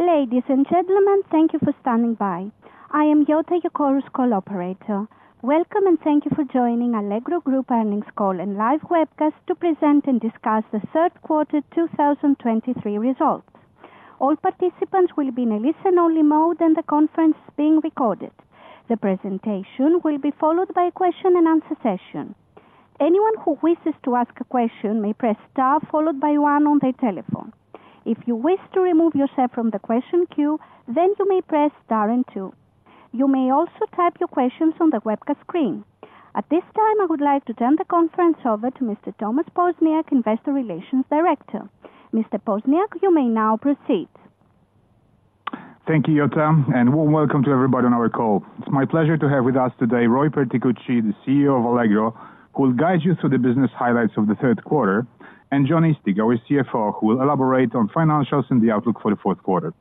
Ladies and gentlemen, thank you for standing by. I am Yota, your call Operator. Welcome, and thank you for joining Allegro Group Earnings Call and Live Webcast to present and discuss the third quarter 2023 results. All participants will be in a listen-only mode, and the conference is being recorded. The presentation will be followed by a question-and-answer session. Anyone who wishes to ask a question may press star followed by one on their telephone. If you wish to remove yourself from the question queue, then you may press star and two. You may also type your questions on the webcast screen. At this time, I would like to turn the conference over to Mr. Tomasz Poźniak, Investor Relations Director. Mr. Poźniak, you may now proceed. Thank you, Yota, and welcome to everybody on our call. It's my pleasure to have with us today, Roy Perticucci, the CEO of Allegro, who will guide you through the business highlights of the third quarter, and Jon Eastick, our CFO, who will elaborate on financials and the outlook for the fourth quarter.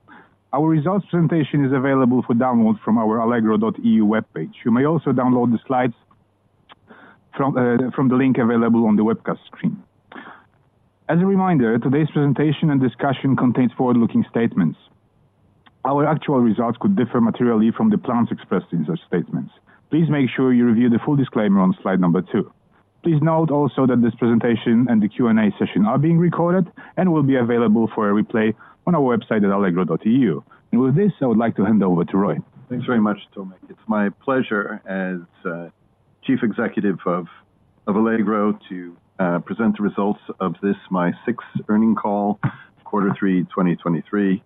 Our results presentation is available for download from our Allegro.eu webpage. You may also download the slides from, from the link available on the webcast screen. As a reminder, today's presentation and discussion contains forward-looking statements. Our actual results could differ materially from the plans expressed in such statements. Please make sure you review the full disclaimer on slide number two. Please note also that this presentation and the Q&A session are being recorded and will be available for a replay on our website at Allegro.eu. With this, I would like to hand over to Roy. Thanks very much, Tomasz. It's my pleasure as Chief Executive of Allegro to present the results of this, my sixth earnings call, quarter three, 2023.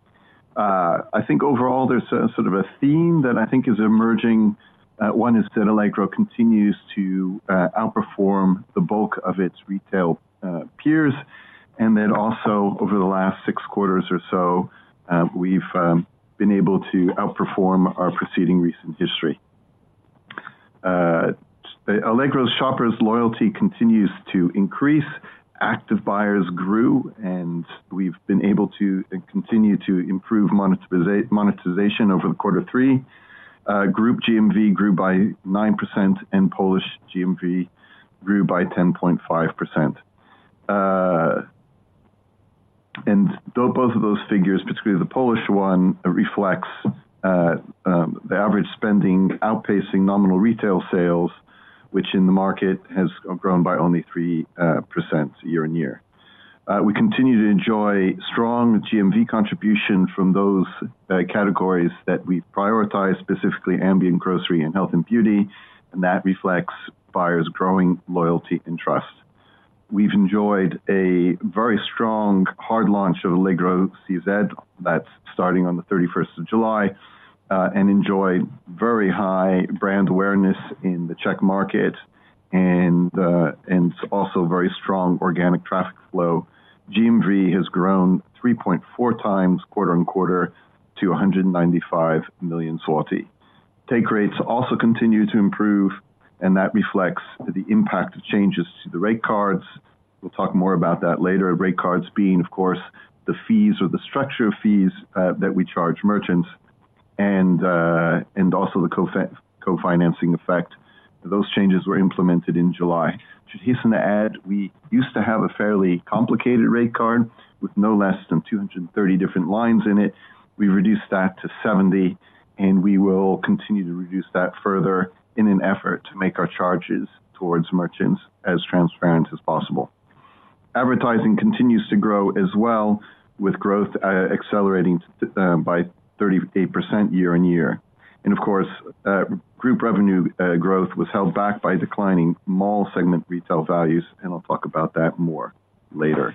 I think overall, there's a sort of a theme that I think is emerging. One is that Allegro continues to outperform the bulk of its retail peers, and then also, over the last six quarters or so, we've been able to outperform our preceding recent history. Allegro's shoppers' loyalty continues to increase. Active buyers grew, and we've been able to and continue to improve monetization over the quarter three. Group GMV grew by 9%, and Polish GMV grew by 10.5%. And though both of those figures, particularly the Polish one, reflects the average spending outpacing nominal retail sales, which in the market has grown by only 3% year-on-year. We continue to enjoy strong GMV contribution from those categories that we've prioritized, specifically Ambient Grocery and Health and Beauty, and that reflects buyers' growing loyalty and trust. We've enjoyed a very strong hard launch of Allegro CZ, that's starting on the thirty-first of July, and enjoyed very high brand awareness in the Czech market and also very strong organic traffic flow. GMV has grown 3.4x, quarter-on-quarter, to 195 million. Take rates also continue to improve, and that reflects the impact of changes to the rate cards. We'll talk more about that later. Rate cards being, of course, the fees or the structure of fees that we charge merchants and also the co-financing effect. Those changes were implemented in July. Should hasten to add, we used to have a fairly complicated rate card with no less than 230 different lines in it. We reduced that to 70, and we will continue to reduce that further in an effort to make our charges towards merchants as transparent as possible. Advertising continues to grow as well, with growth accelerating by 38% year-on-year. Of course, group revenue growth was held back by declining mall segment retail values, and I'll talk about that more later.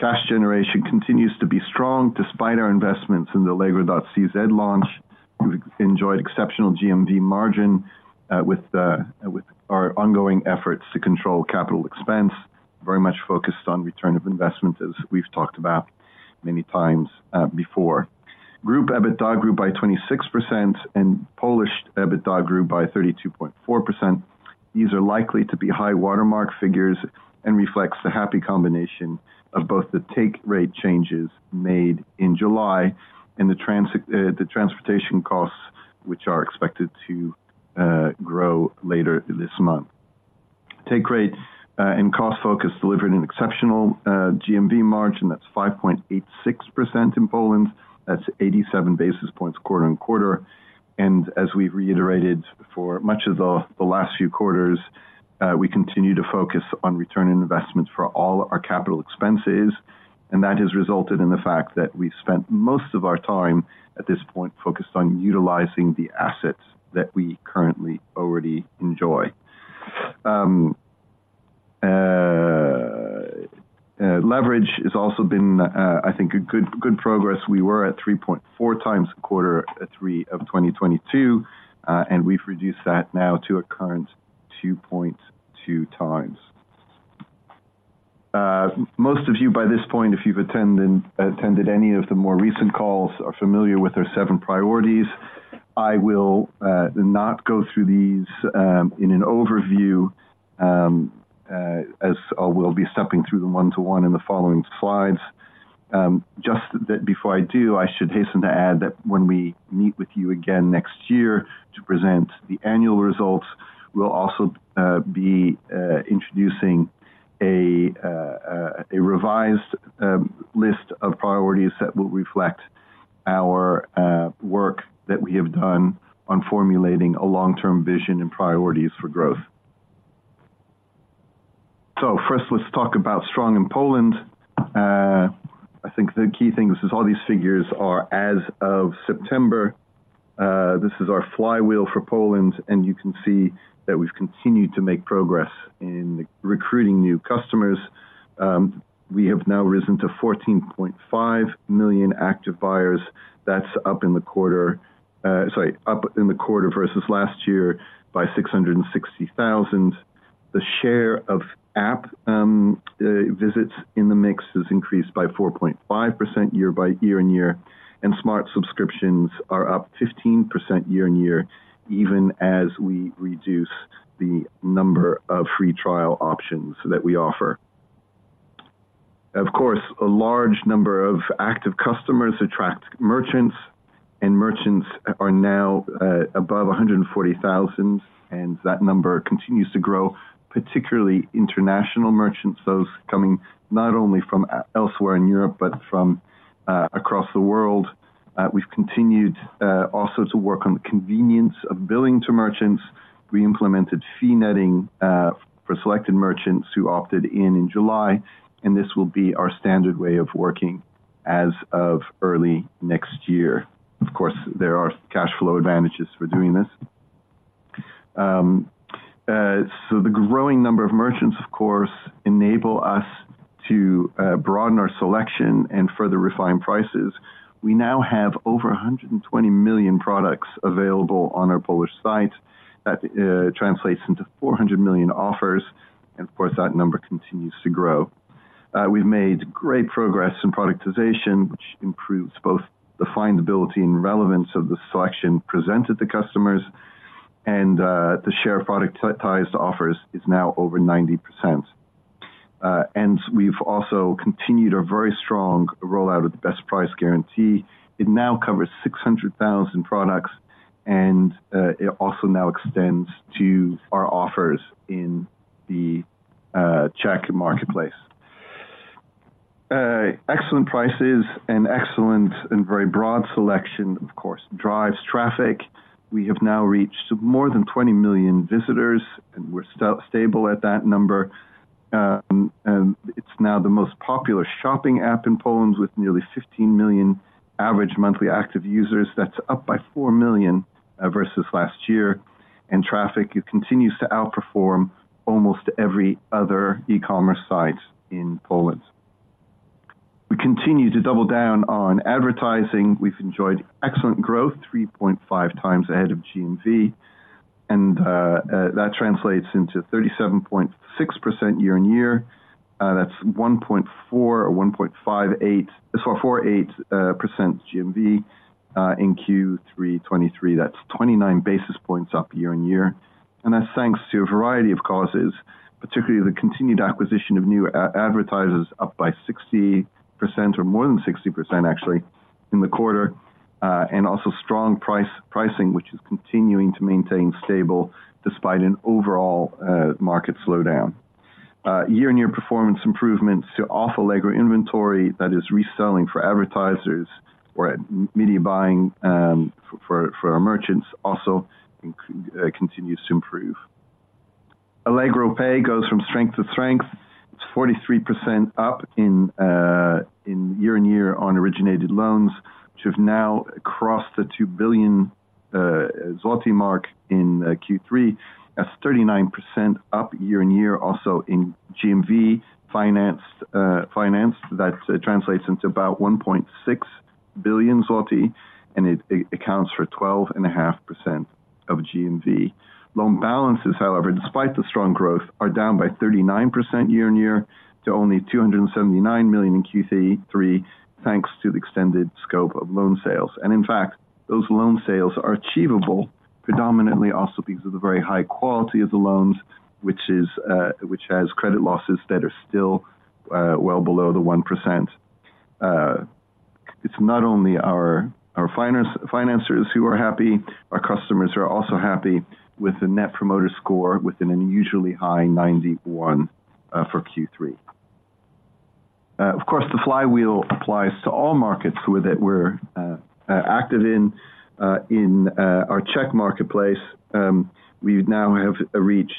Cash generation continues to be strong despite our investments in the Allegro.cz launch. We've enjoyed exceptional GMV margin, with our ongoing efforts to control capital expense, very much focused on return of investment, as we've talked about many times, before. Group EBITDA grew by 26%, and Polish EBITDA grew by 32.4%. These are likely to be high watermark figures and reflects the happy combination of both the take rate changes made in July and the transic, the transportation costs, which are expected to grow later this month. Take rate and cost focus delivered an exceptional GMV margin. That's 5.86% in Poland. That's 87 basis points quarter-on-quarter. As we've reiterated for much of the last few quarters, we continue to focus on return on investments for all our capital expenses, and that has resulted in the fact that we've spent most of our time, at this point, focused on utilizing the assets that we currently already enjoy. Leverage has also been, I think, a good progress. We were at 3.4x in Q3 2022, and we've reduced that now to a current 2.2x. Most of you, by this point, if you've attended any of the more recent calls, are familiar with our seven priorities. I will not go through these in an overview, as I will be stepping through them one to one in the following slides. Just that before I do, I should hasten to add that when we meet with you again next year to present the annual results. We'll also be introducing a revised list of priorities that will reflect our work that we have done on formulating a long-term vision and priorities for growth. So first, let's talk about strong in Poland. I think the key thing is all these figures are as of September. This is our flywheel for Poland, and you can see that we've continued to make progress in recruiting new customers. We have now risen to 14.5 million active buyers. That's up in the quarter versus last year by 660,000. The share of app visits in the mix has increased by 4.5% year-on-year, and Smart subscriptions are up 15% year-on-year, even as we reduce the number of free trial options that we offer. Of course, a large number of active customers attract merchants, and merchants are now above 140,000, and that number continues to grow, particularly international merchants, those coming not only from elsewhere in Europe, but from across the world. We've continued also to work on the convenience of billing to merchants. We implemented fee netting for selected merchants who opted in in July, and this will be our standard way of working as of early next year. Of course, there are cash flow advantages for doing this. So the growing number of merchants, of course, enable us to broaden our selection and further refine prices. We now have over 120 million products available on our Polish site. That translates into 400 million offers, and of course, that number continues to grow. We've made great progress in productization, which improves both the findability and relevance of the selection presented to customers, and the share of productized offers is now over 90%. And we've also continued a very strong rollout of the Best Price Guarantee. It now covers 600,000 products, and it also now extends to our offers in the Czech marketplace. Excellent prices and excellent and very broad selection, of course, drives traffic. We have now reached more than 20 million visitors, and we're stable at that number. And it's now the most popular shopping app in Poland, with nearly 15 million average monthly active users. That's up by 4 million versus last year, and traffic, it continues to outperform almost every other e-commerce site in Poland. We continue to double down on advertising. We've enjoyed excellent growth, 3.5x ahead of GMV, and that translates into 37.6% year-on-year. That's 1.4 or 1.58... Sorry, 48% GMV in Q3 2023. That's 29 basis points up year-on-year, and that's thanks to a variety of causes, particularly the continued acquisition of new advertisers, up by 60% or more than 60%, actually, in the quarter, and also strong pricing, which is continuing to maintain stable despite an overall market slowdown. Year-on-year performance improvements to off Allegro inventory, that is, reselling for advertisers or media buying, for, for our merchants, also continues to improve. Allegro Pay goes from strength to strength. It's 43% up in, in year-on-year on originated loans, which have now crossed the 2 billion złoty mark in Q3. That's 39% up year on year, also in GMV finance, financed. That translates into about 1.6 billion złoty, and it, it accounts for 12.5% of GMV. Loan balances, however, despite the strong growth, are down by 39% year on year to only 279 million in Q3, thanks to the extended scope of loan sales. In fact, those loan sales are achievable predominantly also because of the very high quality of the loans, which is, which has credit losses that are still, well below the 1%. It's not only our, our financers who are happy, our customers are also happy with the Net Promoter Score, with an unusually high 91, for Q3. Of course, the flywheel applies to all markets with it we're active in. In our Czech marketplace, we now have reached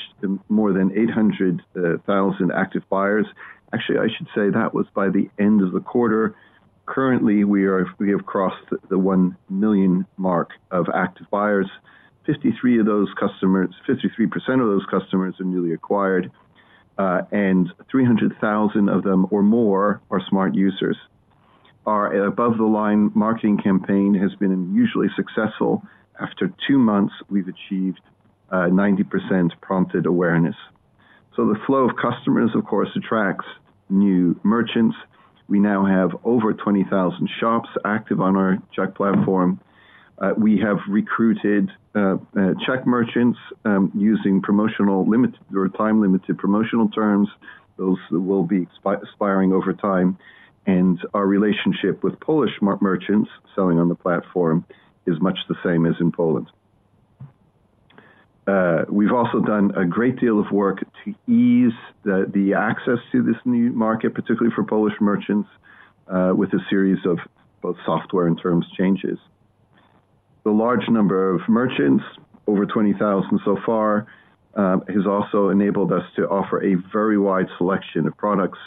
more than 800,000 active buyers. Actually, I should say that was by the end of the quarter. Currently, we have crossed the 1,000,000 mark of active buyers. 53 of those customers, 53% of those customers are newly acquired, and 300,000 of them or more are Smart users. Our above-the-line marketing campaign has been unusually successful. After two months, we've achieved 90% prompted awareness. So the flow of customers, of course, attracts new merchants. We now have over 20,000 shops active on our Czech platform. We have recruited Czech merchants using promotional limit or time-limited promotional terms. Those will be expiring over time, and our relationship with Polish merchants selling on the platform is much the same as in Poland. We've also done a great deal of work to ease the access to this new market, particularly for Polish merchants, with a series of both software and terms changes. The large number of merchants, over 20,000 so far, has also enabled us to offer a very wide selection of products,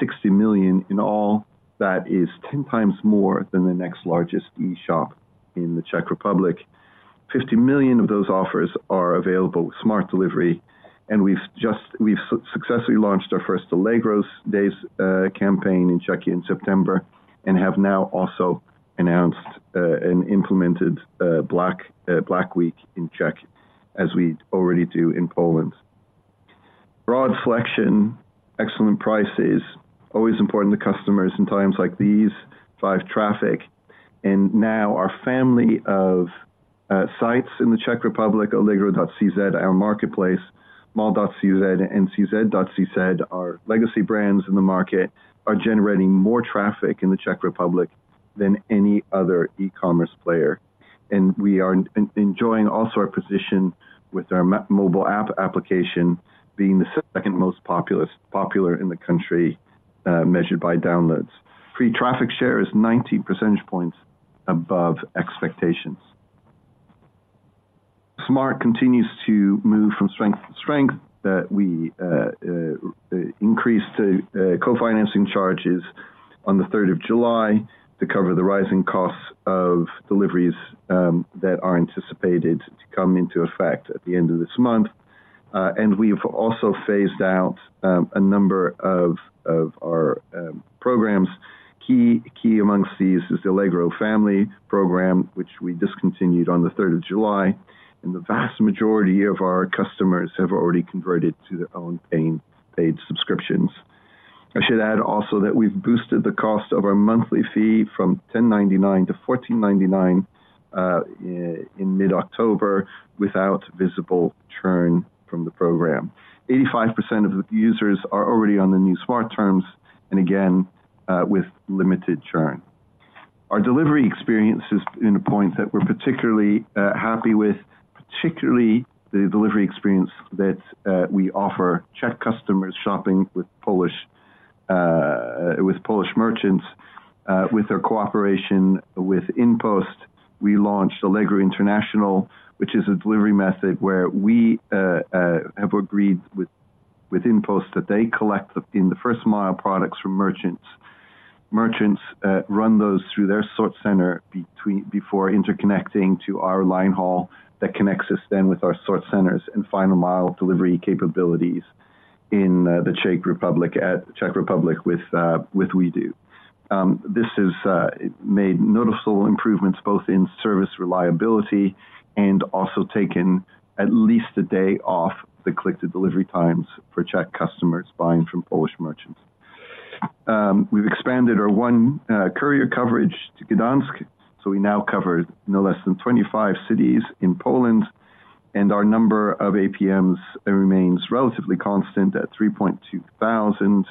60 million in all. That is 10x more than the next largest e-shop in the Czech Republic. 50 million of those offers are available with Smart delivery, and we've just successfully launched our first Allegro Days campaign in Czechia in September, and have now also announced and implemented Black Week in Czech, as we already do in Poland. Broad selection, excellent prices, always important to customers in times like these, drive traffic, and now our family of sites in the Czech Republic, allegro.cz, our marketplace, mall.cz, and CZC.cz, our legacy brands in the market, are generating more traffic in the Czech Republic than any other e-commerce player. And we are enjoying also our position with our mobile app application being the second most populous, popular in the country, measured by downloads. Free traffic share is 90 percentage points above expectations. Smart continues to move from strength to strength, that we increase the co-financing charges on the third of July to cover the rising costs of deliveries that are anticipated to come into effect at the end of this month. We've also phased out a number of our programs. Key amongst these is the Allegro Family program, which we discontinued on the third of July, and the vast majority of our customers have already converted to their own paying paid subscriptions. I should add also that we've boosted the cost of our monthly fee from 10.99 to 14.99 in mid-October, without visible churn from the program. 85% of the users are already on the new Smart terms, and again with limited churn. Our delivery experience is in a point that we're particularly happy with, particularly the delivery experience that we offer Czech customers shopping with Polish, with Polish merchants, with their cooperation. With InPost, we launched Allegro International, which is a delivery method where we have agreed with InPost that they collect the, in the first mile, products from merchants. Merchants run those through their sort center between, before interconnecting to our line haul that connects us then with our sort centers and final mile delivery capabilities in the Czech Republic, at Czech Republic, with WeDo. This has made noticeable improvements, both in service reliability and also taken at least a day off the Click-to-Delivery times for Czech customers buying from Polish merchants. We've expanded our One Courier coverage to Gdańsk, so we now cover no less than 25 cities in Poland, and our number of APMs remains relatively constant at 3.2 thousand,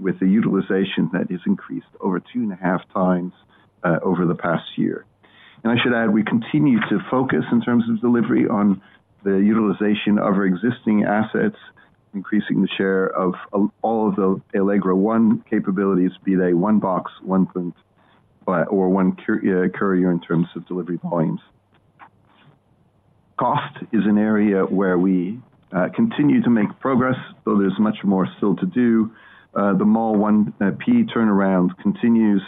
with a utilization that is increased over 2.5x over the past year. I should add, we continue to focus, in terms of delivery, on the utilization of our existing assets, increasing the share of all of the Allegro One capabilities, be they One Box, One Fulfillment, or One Courier in terms of delivery volumes. Cost is an area where we continue to make progress, though there's much more still to do. The Mall 1P turnaround continues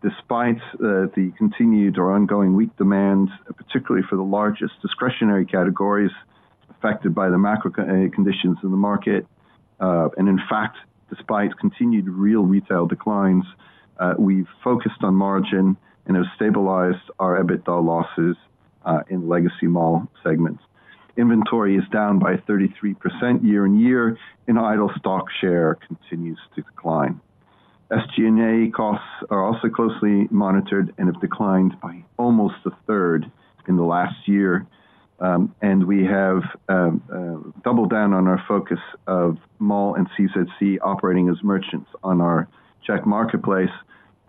despite the continued or ongoing weak demand, particularly for the largest discretionary categories affected by the macro conditions in the market. And in fact, despite continued real retail declines, we've focused on margin and have stabilized our EBITDA losses in legacy Mall segments. Inventory is down by 33% year-over-year, and idle stock share continues to decline. SG&A costs are also closely monitored and have declined by almost a third in the last year. And we have doubled down on our focus of Mall and CZC operating as merchants on our Czech marketplace,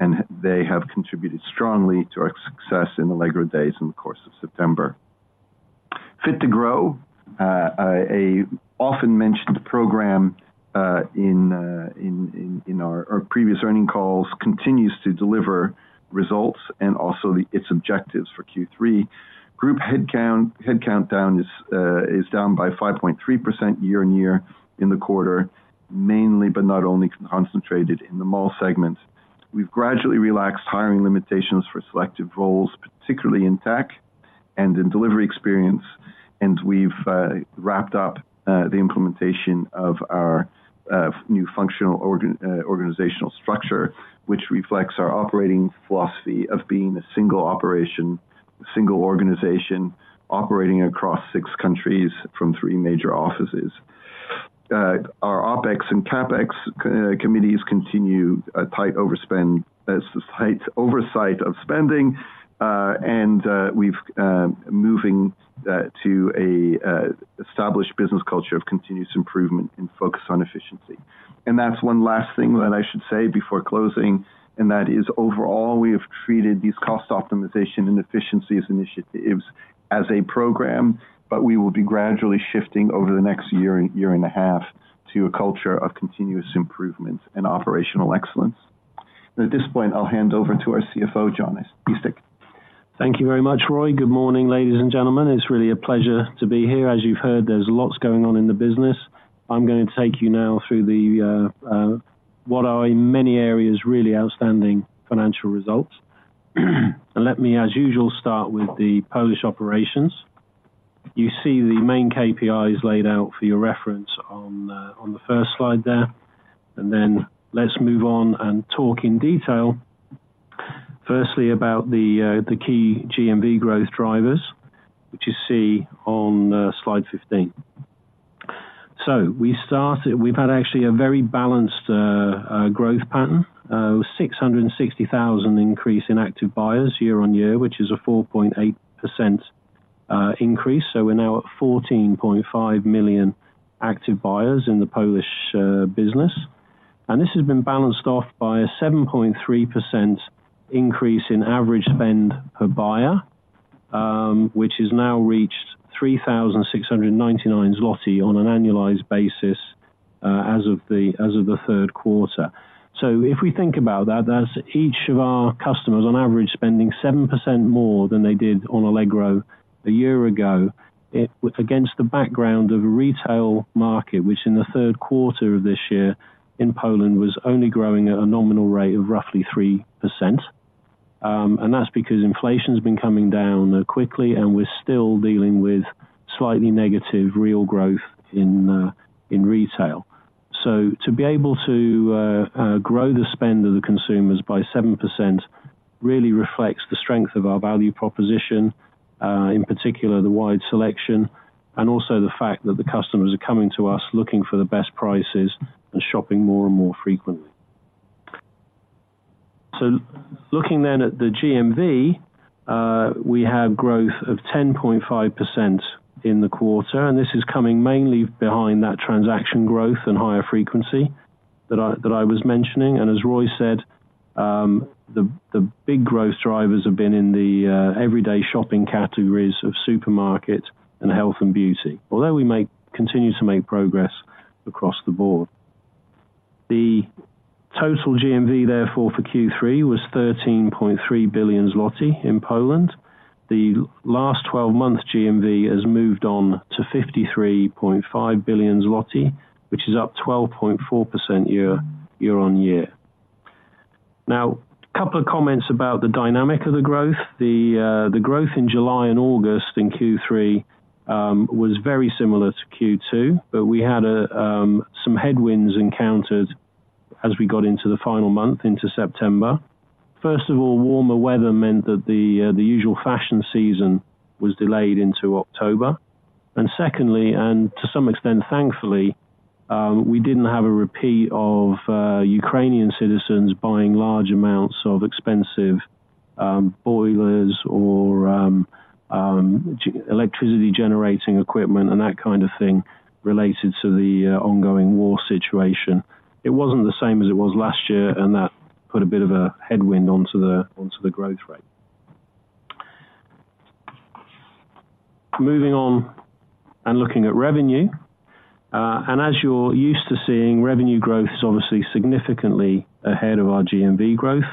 and they have contributed strongly to our success in Allegro Days in the course of September. Fit to Grow, an often mentioned program, in our previous earnings calls, continues to deliver results and also its objectives for Q3. Group headcount is down by 5.3% year-on-year in the quarter, mainly but not only concentrated in the Mall segment. We've gradually relaxed hiring limitations for selective roles, particularly in tech and in delivery experience, and we've wrapped up the implementation of our new functional organizational structure, which reflects our operating philosophy of being a single operation, a single organization, operating across six countries from three major offices. Our OpEx and CapEx committees continue tight oversight of spending, and we've moving to a established business culture of continuous improvement and focus on efficiency. That's one last thing that I should say before closing, and that is, overall, we have treated these cost optimization and efficiencies initiatives as a program, but we will be gradually shifting over the next year and year and a half to a culture of continuous improvement and operational excellence. At this point, I'll hand over to our CFO, Jon Eastick. Thank you very much, Roy. Good morning, ladies and gentlemen. It's really a pleasure to be here. As you've heard, there's lots going on in the business. I'm going to take you now through what are in many areas really outstanding financial results. Let me, as usual, start with the Polish operations. You see the main KPIs laid out for your reference on the first slide there, and then let's move on and talk in detail, firstly, about the key GMV growth drivers, which you see on slide 15. We've had actually a very balanced growth pattern. 660,000 increase in active buyers year-on-year, which is a 4.8% increase. We're now at 14.5 million active buyers in the Polish business. This has been balanced off by a 7.3% increase in average spend per buyer, which has now reached 3,699 zloty on an annualized basis, as of the third quarter. So if we think about that, that's each of our customers, on average, spending 7% more than they did on Allegro a year ago. It, against the background of a retail market, which in the third quarter of this year in Poland, was only growing at a nominal rate of roughly 3%. And that's because inflation has been coming down quickly, and we're still dealing with slightly negative real growth in retail. So to be able to grow the spend of the consumers by 7% really reflects the strength of our value proposition, in particular, the wide selection, and also the fact that the customers are coming to us, looking for the best prices and shopping more and more frequently. So looking then at the GMV, we have growth of 10.5% in the quarter, and this is coming mainly behind that transaction growth and higher frequency that I, that I was mentioning. And as Roy said, the big growth drivers have been in the everyday shopping categories of supermarket and health and beauty. Although we make, continue to make progress across the board. The total GMV, therefore, for Q3 was 13.3 billion zloty in Poland. The last twelve-month GMV has moved on to 53.5 billion zloty, which is up 12.4% year-on-year. Now, a couple of comments about the dynamic of the growth. The growth in July and August in Q3 was very similar to Q2, but we had some headwinds encountered as we got into the final month, into September. First of all, warmer weather meant that the usual fashion season was delayed into October. And secondly, and to some extent, thankfully, we didn't have a repeat of Ukrainian citizens buying large amounts of expensive boilers or electricity generating equipment and that kind of thing related to the ongoing war situation. It wasn't the same as it was last year, and that put a bit of a headwind onto the growth rate. Moving on and looking at revenue. And as you're used to seeing, revenue growth is obviously significantly ahead of our GMV growth.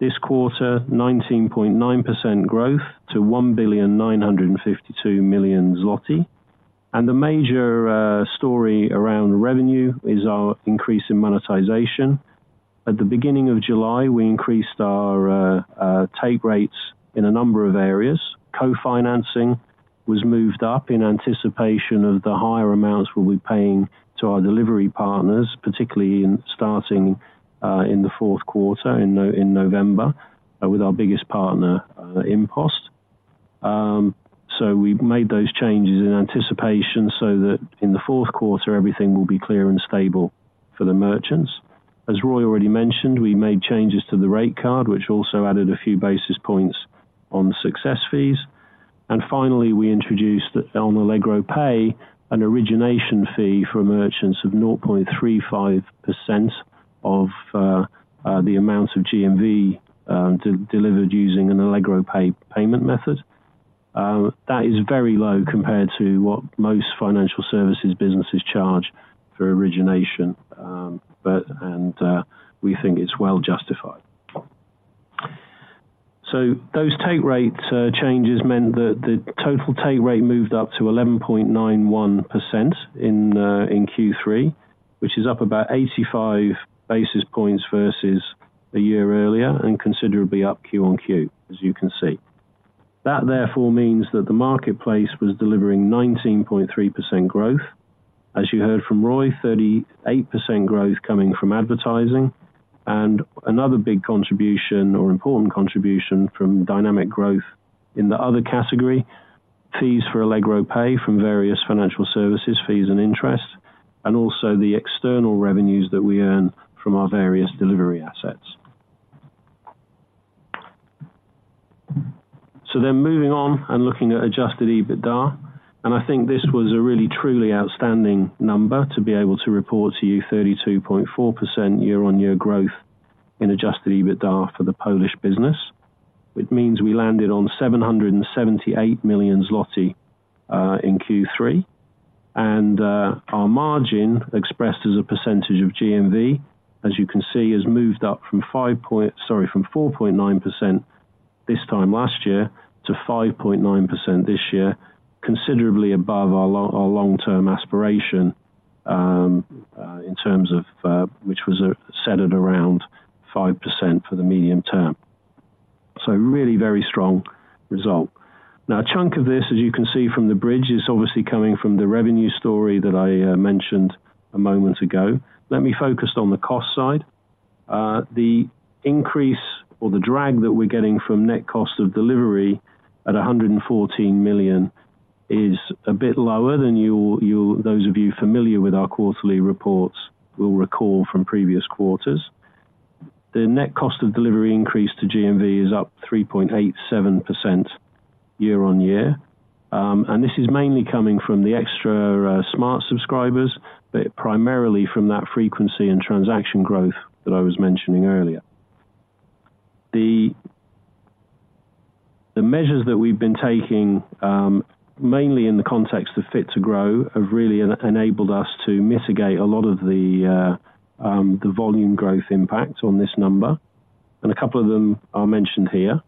This quarter, 19.9% growth to 1,952 million zloty. And the major story around revenue is our increase in monetization. At the beginning of July, we increased our take rates in a number of areas. Co-financing was moved up in anticipation of the higher amounts we'll be paying to our delivery partners, particularly in starting in the fourth quarter, in November, with our biggest partner, InPost. So we've made those changes in anticipation so that in the fourth quarter, everything will be clear and stable for the merchants. As Roy already mentioned, we made changes to the rate card, which also added a few basis points on success fees. Finally, we introduced on Allegro Pay, an origination fee for merchants of 0.35% of the amount of GMV delivered using an Allegro Pay payment method. That is very low compared to what most financial services businesses charge for origination, but we think it's well justified. So those take rate changes meant that the total take rate moved up to 11.91% in Q3, which is up about 85 basis points versus a year earlier and considerably up Q-on-Q, as you can see. That, therefore, means that the marketplace was delivering 19.3% growth. As you heard from Roy, 38% growth coming from advertising, and another big contribution or important contribution from dynamic growth in the other category, fees for Allegro Pay from various financial services, fees and interest, and also the external revenues that we earn from our various delivery assets.... So then moving on and looking at adjusted EBITDA, and I think this was a really, truly outstanding number to be able to report to you 32.4% year-on-year growth in adjusted EBITDA for the Polish business. Which means we landed on 778 million zloty in Q3. Our margin, expressed as a percentage of GMV, as you can see, has moved up from—sorry, from 4.9% this time last year to 5.9% this year, considerably above our long-term aspiration in terms of which was set at around 5% for the medium term. So really very strong result. Now, a chunk of this, as you can see from the bridge, is obviously coming from the revenue story that I mentioned a moment ago. Let me focus on the cost side. The increase or the drag that we're getting from net cost of delivery at 114 million is a bit lower than you'll—those of you familiar with our quarterly reports will recall from previous quarters. The net cost of delivery increase to GMV is up 3.87% year-on-year. And this is mainly coming from the extra Smart subscribers, but primarily from that frequency and transaction growth that I was mentioning earlier. The measures that we've been taking, mainly in the context of Fit to Grow, have really enabled us to mitigate a lot of the volume growth impact on this number, and a couple of them are mentioned here.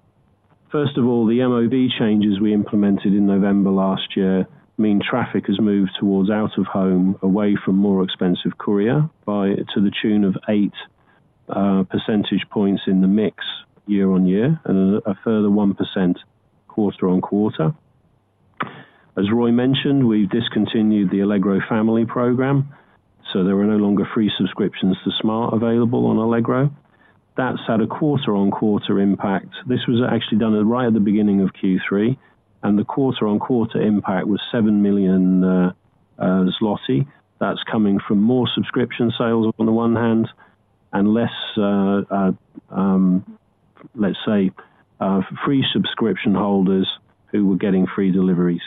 First of all, the MOV changes we implemented in November last year mean traffic has moved towards out-of-home, away from more expensive courier by, to the tune of 8 percentage points in the mix year-on-year and a further 1% quarter-on-quarter. As Roy mentioned, we've discontinued the Allegro family program, so there are no longer free subscriptions to Smart available on Allegro. That's had a quarter-on-quarter impact. This was actually done right at the beginning of Q3, and the quarter-on-quarter impact was 7 million zloty. That's coming from more subscription sales on the one hand and less, let's say, free subscription holders who were getting free deliveries,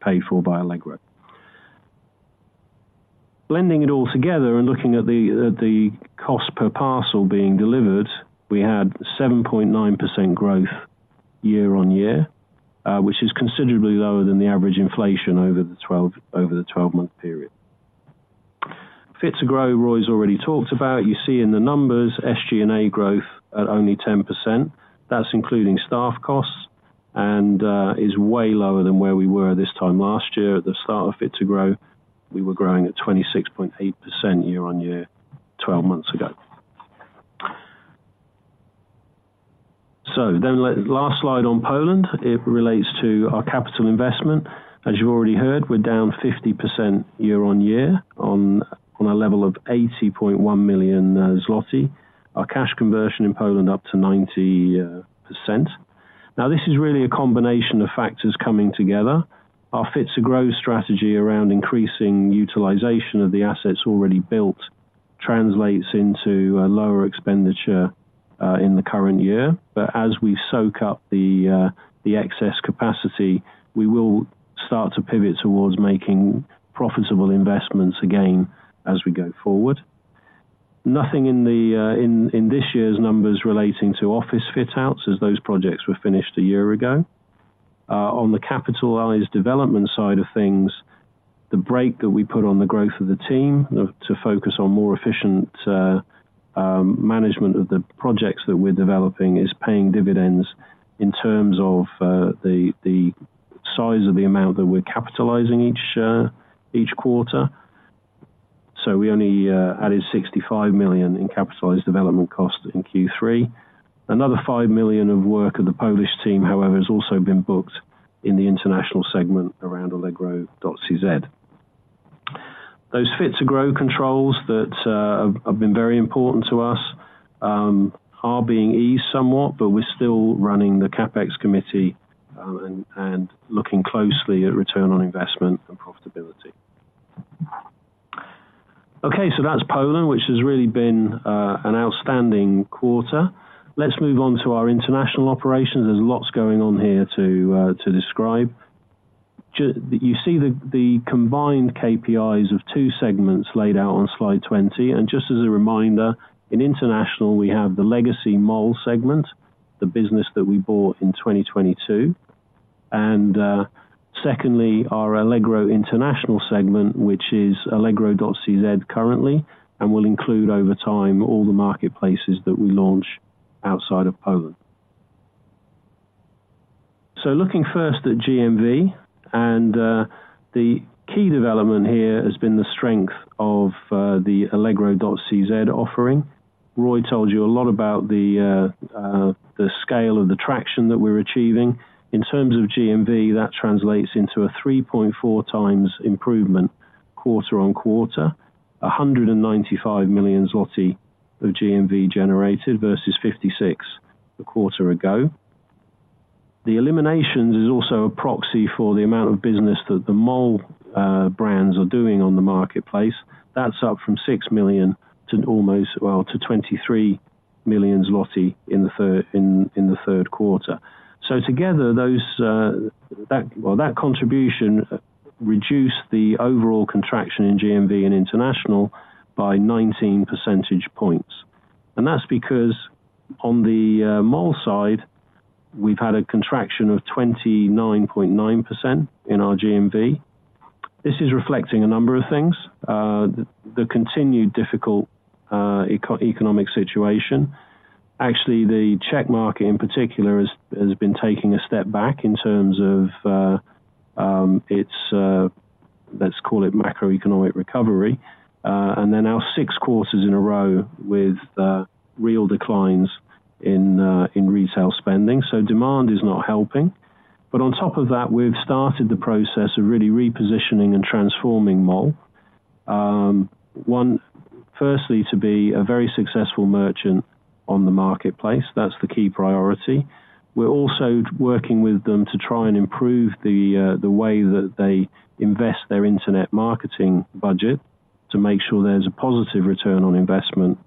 paid for by Allegro. Blending it all together and looking at the cost per parcel being delivered, we had 7.9% growth year-on-year, which is considerably lower than the average inflation over the 12-month period. Fit to Grow, Roy's already talked about. You see in the numbers, SG&A growth at only 10%. That's including staff costs and is way lower than where we were this time last year. At the start of Fit to Grow, we were growing at 26.8% year-on-year, 12 months ago. So then, last slide on Poland, it relates to our capital investment. As you've already heard, we're down 50% year-on-year on a level of 80.1 million zloty. Our cash conversion in Poland up to 90%. Now, this is really a combination of factors coming together. Our Fit to Grow strategy around increasing utilization of the assets already built translates into a lower expenditure in the current year. But as we soak up the excess capacity, we will start to pivot towards making profitable investments again as we go forward. Nothing in this year's numbers relating to office fit outs, as those projects were finished a year ago. On the capitalized development side of things, the break that we put on the growth of the team, to focus on more efficient, management of the projects that we're developing, is paying dividends in terms of, the size of the amount that we're capitalizing each quarter. So we only added 65 million in capitalized development costs in Q3. Another 5 million of work of the Polish team, however, has also been booked in the international segment around Allegro.cz. Those Fit to Grow controls that have been very important to us, are being eased somewhat, but we're still running the CapEx committee, and looking closely at return on investment and profitability. Okay, so that's Poland, which has really been an outstanding quarter. Let's move on to our international operations. There's lots going on here too, to describe. You see the combined KPIs of two segments laid out on slide 20. And just as a reminder, in international, we have the legacy Mall segment, the business that we bought in 2022. And secondly, our Allegro International segment, which is Allegro.cz currently, and will include, over time, all the marketplaces that we launch outside of Poland. So looking first at GMV, and the key development here has been the strength of the Allegro.cz offering. Roy told you a lot about the scale of the traction that we're achieving. In terms of GMV, that translates into a 3.4x improvement quarter-on-quarter, 195 million zloty of GMV generated versus 56 million a quarter ago. The eliminations is also a proxy for the amount of business that the Mall brands are doing on the marketplace. That's up from 6 million to almost to 23 million złoty in the third quarter. So together, that contribution reduced the overall contraction in GMV and international by 19 percentage points. And that's because on the Mall side, we've had a contraction of 29.9% in our GMV. This is reflecting a number of things. The continued difficult economic situation. Actually, the Czech market, in particular, has been taking a step back in terms of its, let's call it macroeconomic recovery, and then now six quarters in a row with real declines in in retail spending, so demand is not helping. But on top of that, we've started the process of really repositioning and transforming Mall. One, firstly, to be a very successful merchant on the marketplace, that's the key priority. We're also working with them to try and improve the the way that they invest their Internet marketing budget, to make sure there's a positive return on investment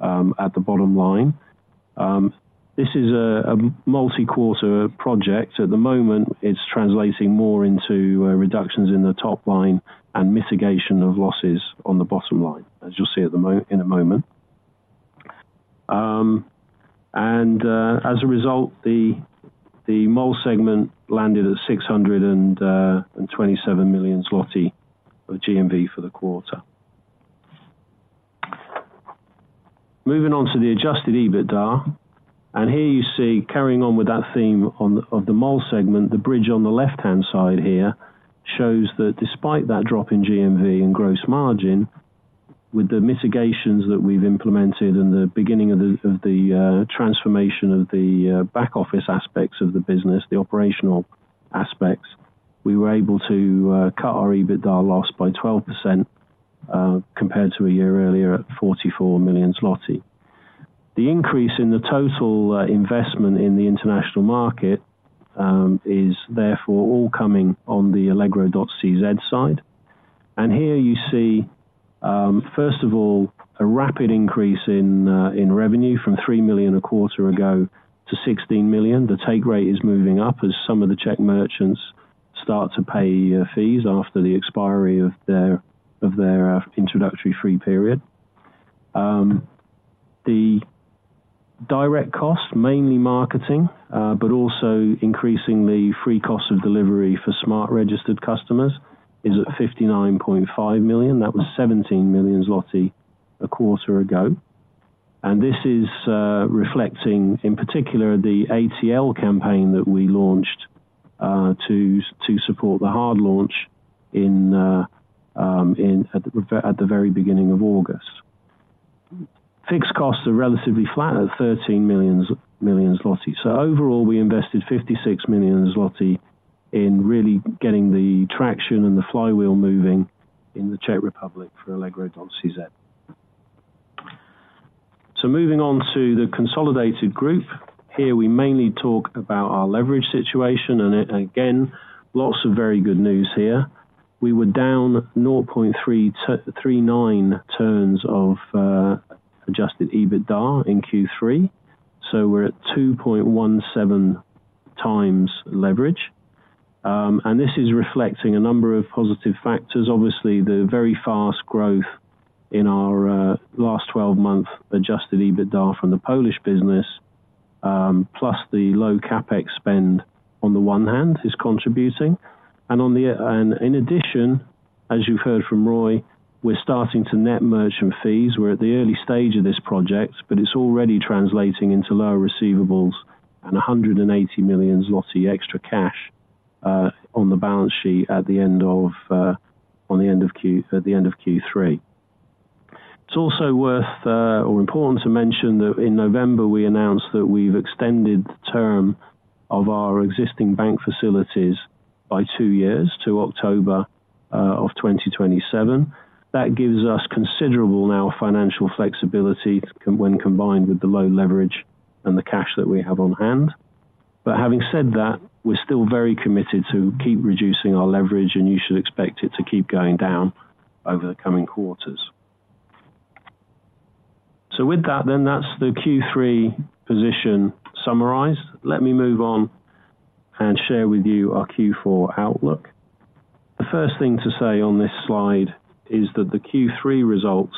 at the bottom line. This is a multi-quarter project. At the moment, it's translating more into reductions in the top line and mitigation of losses on the bottom line, as you'll see in a moment. As a result, the Mall segment landed at 627 million zloty of GMV for the quarter. Moving on to the Adjusted EBITDA, and here you see, carrying on with that theme of the MOL segment, the bridge on the left-hand side here shows that despite that drop in GMV and gross margin, with the mitigations that we've implemented in the beginning of the transformation of the back office aspects of the business, the operational aspects, we were able to cut our EBITDA loss by 12% compared to a year earlier at 44 million zloty. The increase in the total investment in the international market is therefore all coming on the Allegro.cz side. And here you see, first of all, a rapid increase in revenue from 3 million a quarter ago to 16 million. The take rate is moving up as some of the Czech merchants start to pay fees after the expiry of their introductory free period. The direct cost, mainly marketing, but also increasingly free cost of delivery for Smart registered customers, is at 59.5 million. That was 17 million zloty a quarter ago. And this is reflecting, in particular, the ATL campaign that we launched to support the hard launch in at the very beginning of August. Fixed costs are relatively flat at 13 million zloty. So overall, we invested 56 million zloty in really getting the traction and the flywheel moving in the Czech Republic for Allegro.cz. So moving on to the consolidated group. Here, we mainly talk about our leverage situation, and again, lots of very good news here. We were down 0.339 turns of adjusted EBITDA in Q3, so we're at 2.17x leverage. And this is reflecting a number of positive factors. Obviously, the very fast growth in our last twelve-month adjusted EBITDA from the Polish business, plus the low CapEx spend, on the one hand, is contributing. And in addition, as you've heard from Roy, we're starting to net merchant fees. We're at the early stage of this project, but it's already translating into lower receivables and 180 million zloty extra cash on the balance sheet at the end of Q3. It's also worth or important to mention that in November, we announced that we've extended the term of our existing bank facilities by two years to October of 2027. That gives us considerable financial flexibility when combined with the low leverage and the cash that we have on hand. But having said that, we're still very committed to keep reducing our leverage, and you should expect it to keep going down over the coming quarters. So with that, then, that's the Q3 position summarized. Let me move on and share with you our Q4 outlook. The first thing to say on this slide is that the Q3 results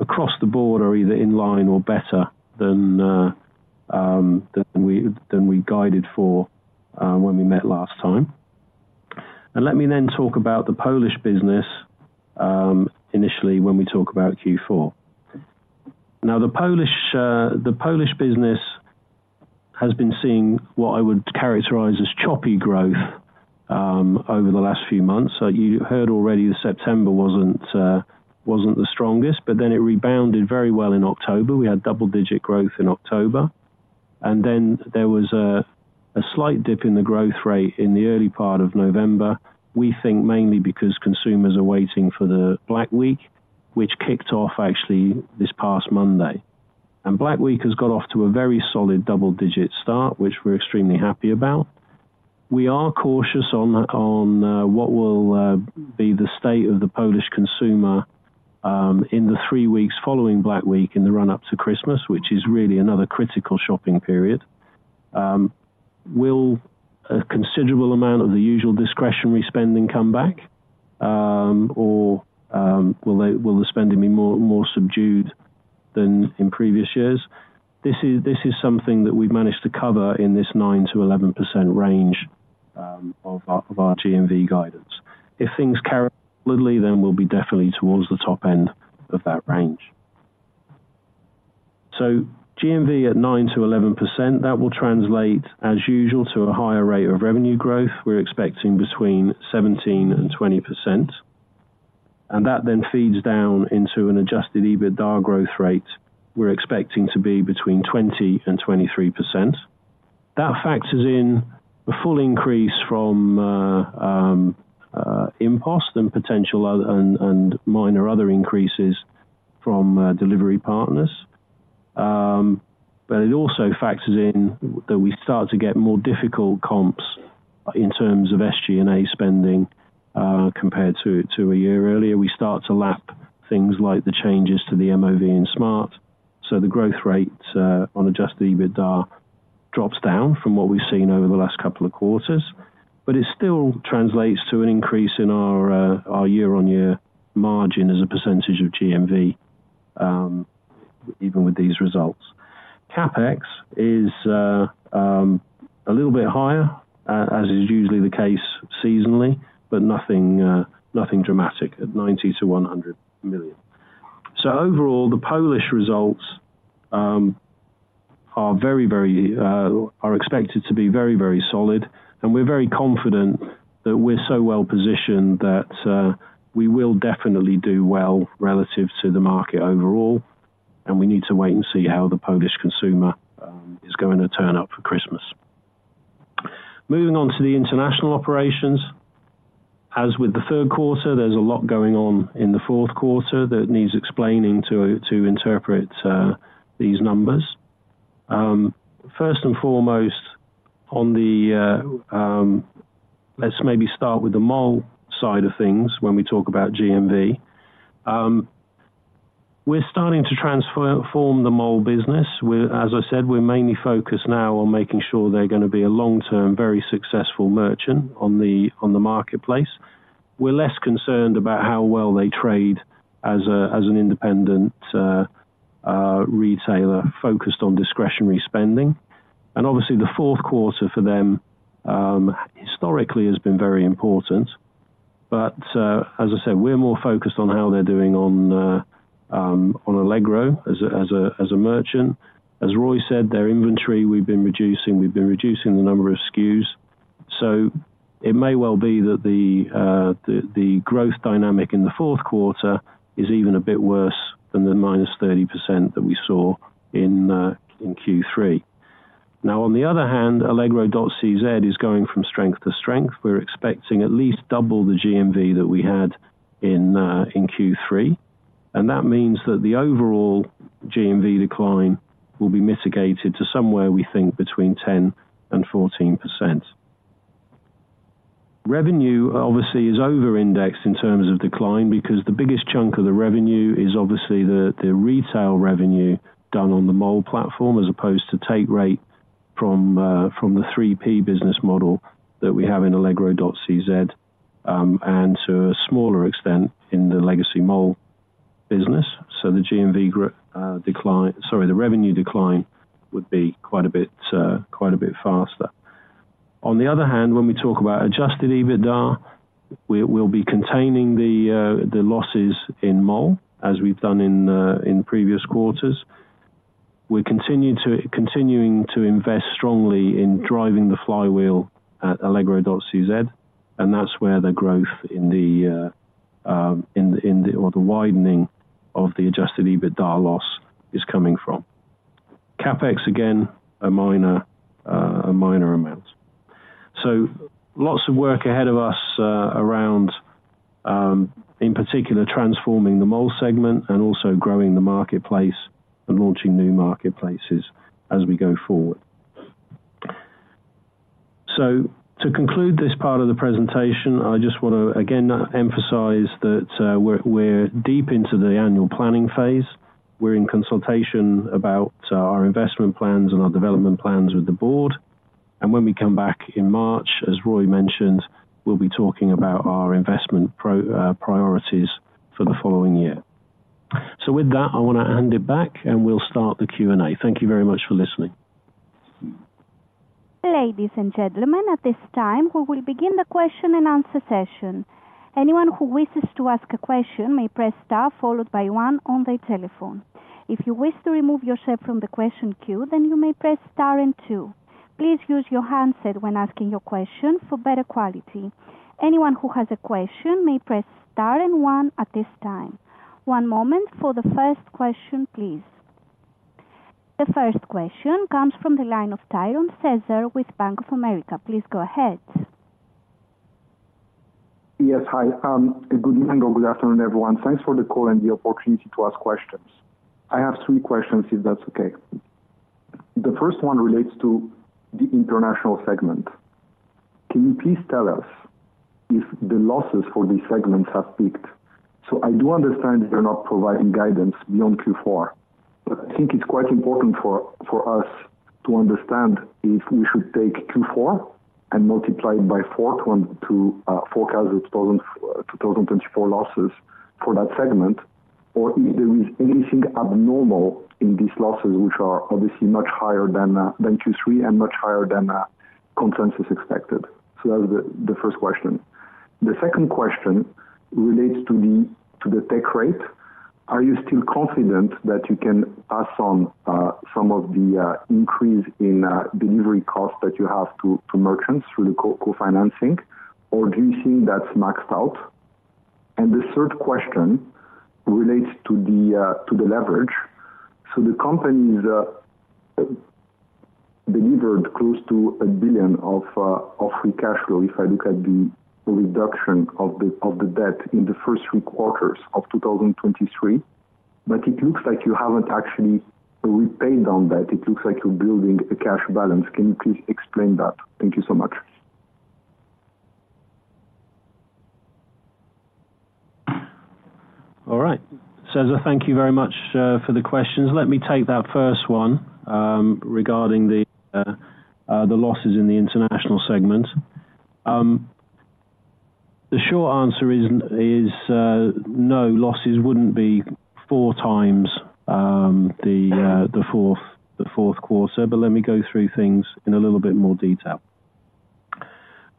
across the board are either in line or better than we guided for when we met last time. Let me then talk about the Polish business, initially, when we talk about Q4. Now, the Polish business has been seeing what I would characterize as choppy growth, over the last few months. So you heard already that September wasn't the strongest, but then it rebounded very well in October. We had double-digit growth in October, and then there was a slight dip in the growth rate in the early part of November. We think mainly because consumers are waiting for the Black Week, which kicked off actually this past Monday. Black Week has got off to a very solid double-digit start, which we're extremely happy about. We are cautious on what will be the state of the Polish consumer in the three weeks following Black Week in the run-up to Christmas, which is really another critical shopping period. Will a considerable amount of the usual discretionary spending come back, or will the spending be more subdued than in previous years? This is something that we've managed to cover in this 9%-11% range of our GMV guidance. If things carry literally, then we'll be definitely towards the top end of that range. So GMV at 9%-11%, that will translate, as usual, to a higher rate of revenue growth. We're expecting between 17% and 20%, and that then feeds down into an adjusted EBITDA growth rate we're expecting to be between 20% and 23%. That factors in the full increase from InPost and potential other and minor other increases from delivery partners. But it also factors in that we start to get more difficult comps in terms of SG&A spending, compared to a year earlier. We start to lap things like the changes to the MOV and Smart, so the growth rate on adjusted EBITDA drops down from what we've seen over the last couple of quarters. But it still translates to an increase in our year-on-year margin as a percentage of GMV, even with these results. CapEx is a little bit higher, as is usually the case seasonally, but nothing dramatic at 90 million-100 million. So overall, the Polish results are very, very expected to be very, very solid, and we're very confident that we're so well-positioned that we will definitely do well relative to the market overall, and we need to wait and see how the Polish consumer is going to turn up for Christmas. Moving on to the international operations. As with the third quarter, there's a lot going on in the fourth quarter that needs explaining to interpret these numbers. First and foremost, on the, let's maybe start with the mall side of things when we talk about GMV. We're starting to transform the mall business. As I said, we're mainly focused now on making sure they're gonna be a long-term, very successful merchant on the marketplace. We're less concerned about how well they trade as an independent retailer focused on discretionary spending. And obviously, the fourth quarter for them, historically has been very important. But, as I said, we're more focused on how they're doing on Allegro as a merchant. As Roy said, their inventory, we've been reducing the number of SKUs. So it may well be that the growth dynamic in the fourth quarter is even a bit worse than the minus 30% that we saw in Q3. Now, on the other hand, Allegro.cz is going from strength to strength. We're expecting at least double the GMV that we had in, in Q3, and that means that the overall GMV decline will be mitigated to somewhere, we think, between 10%-14%. Revenue, obviously, is over-indexed in terms of decline because the biggest chunk of the revenue is obviously the, the retail revenue done on the Mall platform, as opposed to take rate from, from the 3P business model that we have in Allegro.cz, and to a smaller extent, in the legacy Mall business. So the GMV decline. Sorry, the revenue decline would be quite a bit, quite a bit faster. On the other hand, when we talk about Adjusted EBITDA, we, we'll be containing the, the losses in Mall, as we've done in the, in previous quarters. Continuing to invest strongly in driving the flywheel at Allegro.cz, and that's where the growth, or the widening, of the Adjusted EBITDA loss is coming from. CapEx, again, a minor amount. So lots of work ahead of us around, in particular, transforming the Mall segment and also growing the marketplace and launching new marketplaces as we go forward. So to conclude this part of the presentation, I just want to again emphasize that, we're deep into the annual planning phase. We're in consultation about our investment plans and our development plans with the board, and when we come back in March, as Roy mentioned, we'll be talking about our investment priorities for the following year. So with that, I want to hand it back, and we'll start the Q&A. Thank you very much for listening. Ladies and gentlemen, at this time, we will begin the question and answer session. Anyone who wishes to ask a question may press star, followed by one on their telephone. If you wish to remove yourself from the question queue, then you may press star and two. Please use your handset when asking your question for better quality. Anyone who has a question may press star and one at this time. One moment for the first question, please. The first question comes from the line of Cesar Tiron with Bank of America. Please go ahead.... Yes, hi. Good evening or good afternoon, everyone. Thanks for the call and the opportunity to ask questions. I have three questions, if that's okay. The first one relates to the international segment. Can you please tell us if the losses for these segments have peaked? So I do understand that you're not providing guidance beyond Q4, but I think it's quite important for, for us to understand if we should take Q4 and multiply it by four to, to forecast the total, 2024 losses for that segment, or if there is anything abnormal in these losses, which are obviously much higher than, than Q3 and much higher than, consensus expected. So that was the, the first question. The second question relates to the, to the take rate. Are you still confident that you can pass on some of the increase in delivery costs that you have to merchants through the co-financing, or do you think that's maxed out? And the third question relates to the leverage. So the company's delivered close to 1 billion of free cash flow, if I look at the reduction of the debt in the first three quarters of 2023. But it looks like you haven't actually repaid on that. It looks like you're building a cash balance. Can you please explain that? Thank you so much. All right. Cesar, thank you very much, for the questions. Let me take that first one, regarding the losses in the international segment. The short answer is no, losses wouldn't be four times the fourth quarter, but let me go through things in a little bit more detail.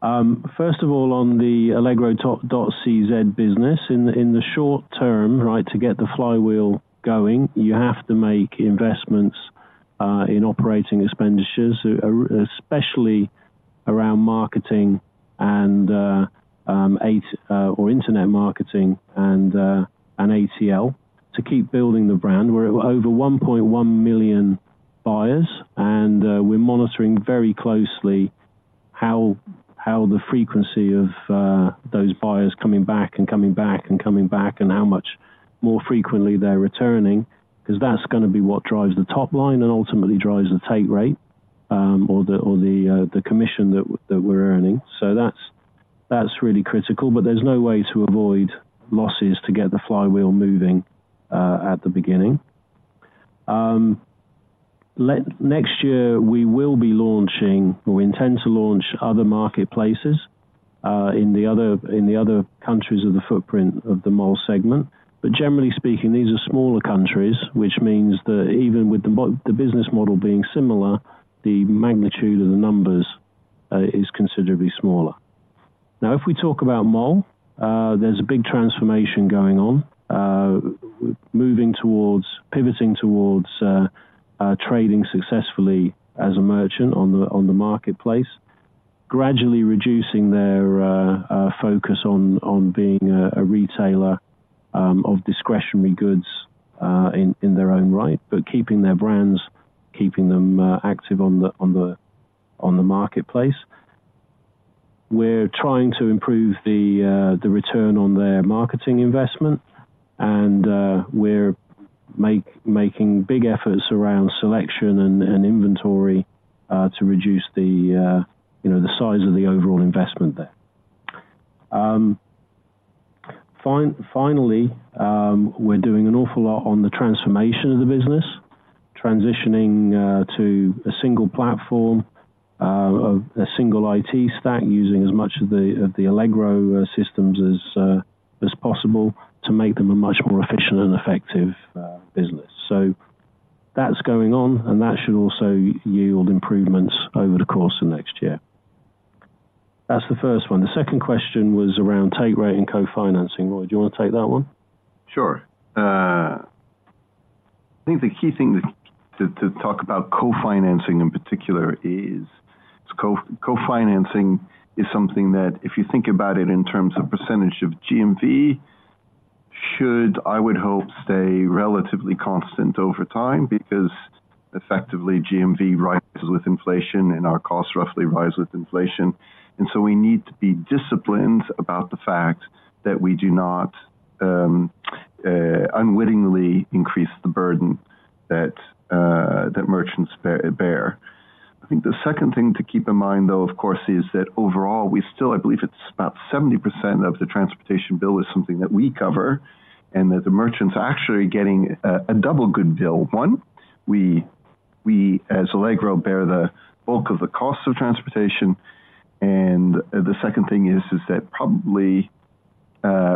First of all, on the Allegro.cz business, in the short term, right, to get the flywheel going, you have to make investments in operating expenditures, especially around marketing and ATL or internet marketing and ACL to keep building the brand. We're over 1.1 million buyers, and we're monitoring very closely how the frequency of those buyers coming back and coming back and coming back and how much more frequently they're returning, because that's gonna be what drives the top line and ultimately drives the take rate, or the commission that we're earning. So that's really critical, but there's no way to avoid losses to get the flywheel moving at the beginning. Next year, we will be launching or we intend to launch other marketplaces in the other countries of the footprint of the MOL segment. But generally speaking, these are smaller countries, which means that even with the business model being similar, the magnitude of the numbers is considerably smaller. Now, if we talk about MOL, there's a big transformation going on, moving towards pivoting towards trading successfully as a merchant on the marketplace, gradually reducing their focus on being a retailer of discretionary goods in their own right, but keeping their brands, keeping them active on the marketplace. We're trying to improve the return on their marketing investment, and we're making big efforts around selection and inventory to reduce you know the size of the overall investment there. Finally, we're doing an awful lot on the transformation of the business, transitioning to a single platform, a single IT stack, using as much of the Allegro systems as possible to make them a much more efficient and effective business. So that's going on, and that should also yield improvements over the course of next year. That's the first one. The second question was around take rate and co-financing. Roy, do you want to take that one? Sure. I think the key thing to talk about co-financing, in particular, is co-financing is something that if you think about it in terms of percentage of GMV, should, I would hope, stay relatively constant over time, because effectively, GMV rises with inflation and our costs roughly rise with inflation. And so we need to be disciplined about the fact that we do not unwittingly increase the burden that that merchants bear. I think the second thing to keep in mind, though, of course, is that overall, we still, I believe it's about 70% of the transportation bill is something that we cover, and that the merchants are actually getting a double good deal. One, we as Allegro bear the bulk of the cost of transportation, and the second thing is that probably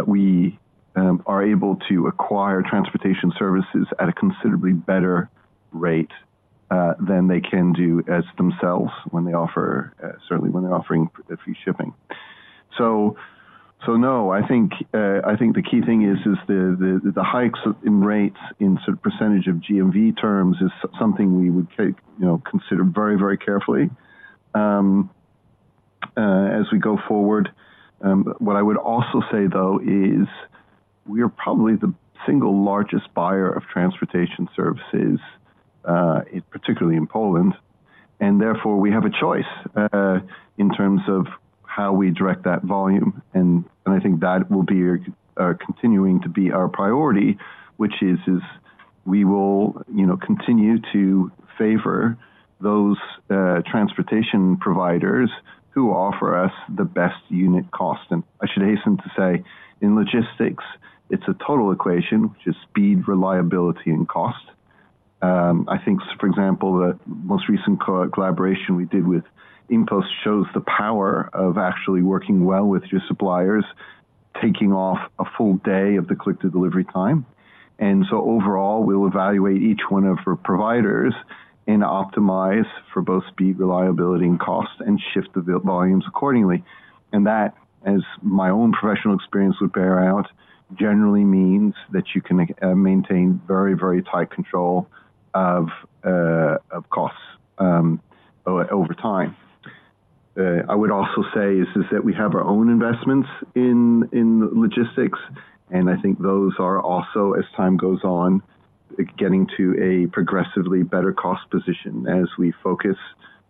we are able to acquire transportation services at a considerably better rate than they can do as themselves when they offer, certainly when they're offering free shipping. So, no, I think the key thing is the hikes in rates in sort of percentage of GMV terms is something we would take, you know, consider very, very carefully as we go forward. What I would also say, though, is we are probably the single largest buyer of transportation services, particularly in Poland, and therefore, we have a choice in terms of how we direct that volume. I think that will be continuing to be our priority, which is we will, you know, continue to favor those transportation providers who offer us the best unit cost. And I should hasten to say, in logistics, it's a total equation, which is speed, reliability, and cost. I think, for example, the most recent collaboration we did with InPost shows the power of actually working well with your suppliers, taking off a full day of the Click-to-Delivery Time. And so overall, we'll evaluate each one of our providers and optimize for both speed, reliability, and cost, and shift the volumes accordingly. And that, as my own professional experience would bear out, generally means that you can maintain very, very tight control of costs over time. I would also say that we have our own investments in logistics, and I think those are also, as time goes on, getting to a progressively better cost position as we focus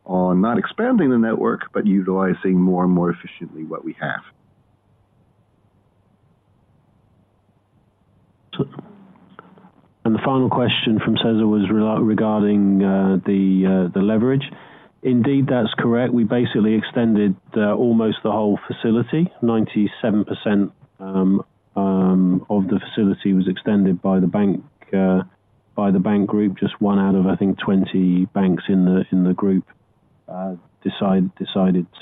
on not expanding the network, but utilizing more and more efficiently what we have. So, the final question from Cesar was regarding the leverage. Indeed, that's correct. We basically extended almost the whole facility. 97% of the facility was extended by the bank group. Just one out of, I think, 20 banks in the group decided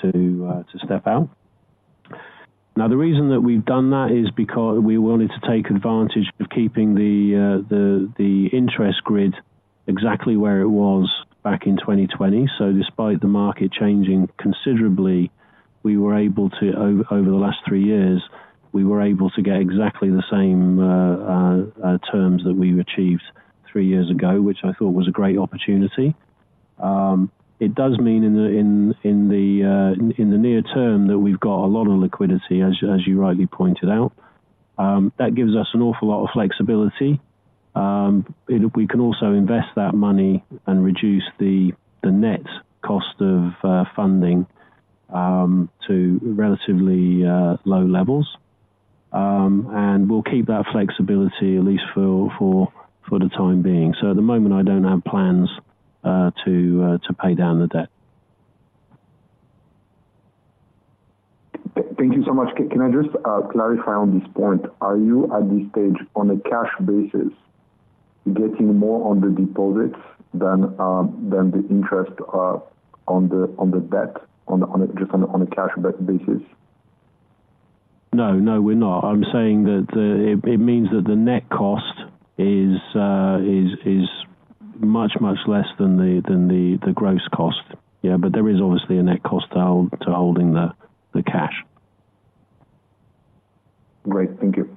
to step out. Now, the reason that we've done that is because we wanted to take advantage of keeping the interest grid exactly where it was back in 2020. So despite the market changing considerably, we were able to, over the last three years, get exactly the same terms that we achieved three years ago, which I thought was a great opportunity. It does mean in the near term that we've got a lot of liquidity, as you rightly pointed out. That gives us an awful lot of flexibility. We can also invest that money and reduce the net cost of funding to relatively low levels. And we'll keep that flexibility at least for the time being. So at the moment, I don't have plans to pay down the debt. Thank you so much. Can I just clarify on this point? Are you, at this stage, on a cash basis, getting more on the deposits than the interest on the debt, just on a cash basis? No, no, we're not. I'm saying that it means that the net cost is much less than the gross cost. Yeah, but there is obviously a net cost to holding the cash. Great. Thank you.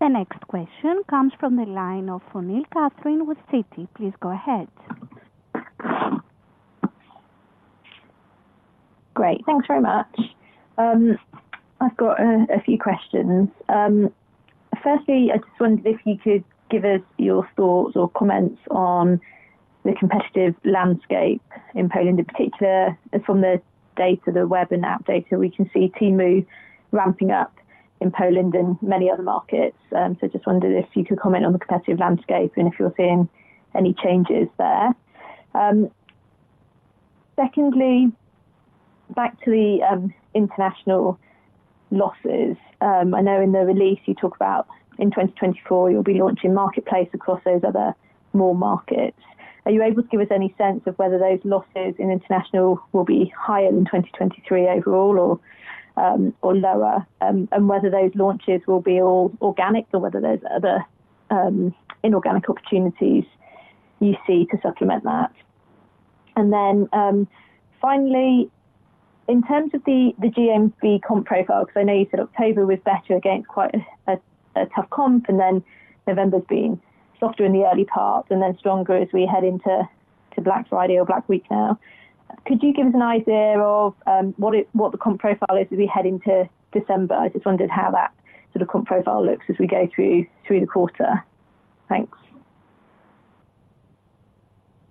The next question comes from the line of Catherine O'Neill with Citi. Please go ahead. Great. Thanks very much. I've got a few questions. Firstly, I just wondered if you could give us your thoughts or comments on the competitive landscape in Poland, in particular, from the data, the web and app data. We can see Temu ramping up in Poland and many other markets. So just wondered if you could comment on the competitive landscape and if you're seeing any changes there. Secondly, back to the international losses. I know in the release you talk about in 2024, you'll be launching Marketplace across those other more markets. Are you able to give us any sense of whether those losses in international will be higher than 2023 overall, or, or lower? And whether those launches will be all organic or whether there's other inorganic opportunities you see to supplement that. And then, finally, in terms of the GMV comp profile, because I know you said October was better against quite a tough comp, and then November's been softer in the early part and then stronger as we head into Black Friday or Black Week now. Could you give us an idea of what the comp profile is as we head into December? I just wondered how that sort of comp profile looks as we go through the quarter. Thanks.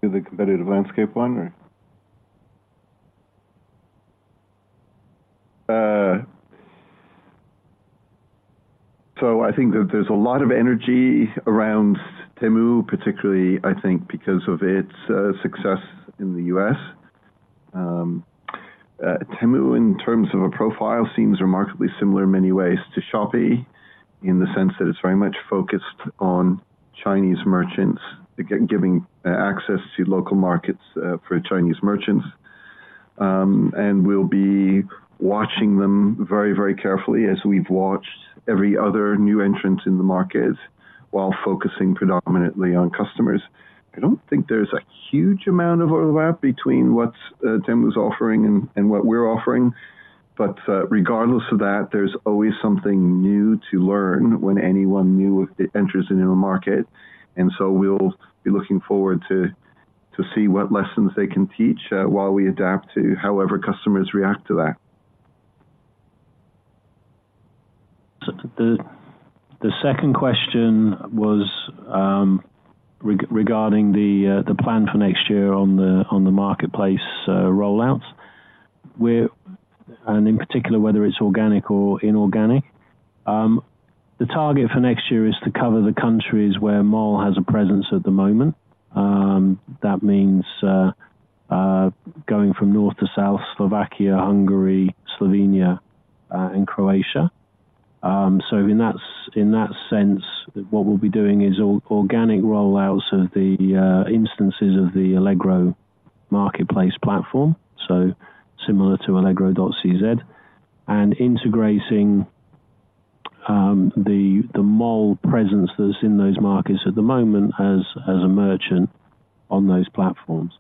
Do the competitive landscape one or so I think that there's a lot of energy around Temu, particularly, I think, because of its success in the U.S.. Temu, in terms of a profile, seems remarkably similar in many ways to Shopee, in the sense that it's very much focused on Chinese merchants, giving access to local markets for Chinese merchants. And we'll be watching them very, very carefully as we've watched every other new entrant in the market while focusing predominantly on customers. I don't think there's a huge amount of overlap between what's Temu's offering and what we're offering. But regardless of that, there's always something new to learn when anyone new enters into a market, and so we'll be looking forward to-... to see what lessons they can teach, while we adapt to however customers react to that. The second question was, regarding the plan for next year on the marketplace rollouts. And in particular, whether it's organic or inorganic. The target for next year is to cover the countries where Mall has a presence at the moment. That means, going from north to south, Slovakia, Hungary, Slovenia, and Croatia. So in that sense, what we'll be doing is organic rollouts of the instances of the Allegro marketplace platform, so similar to Allegro.cz, and integrating the Mall presence that's in those markets at the moment as a merchant on those platforms.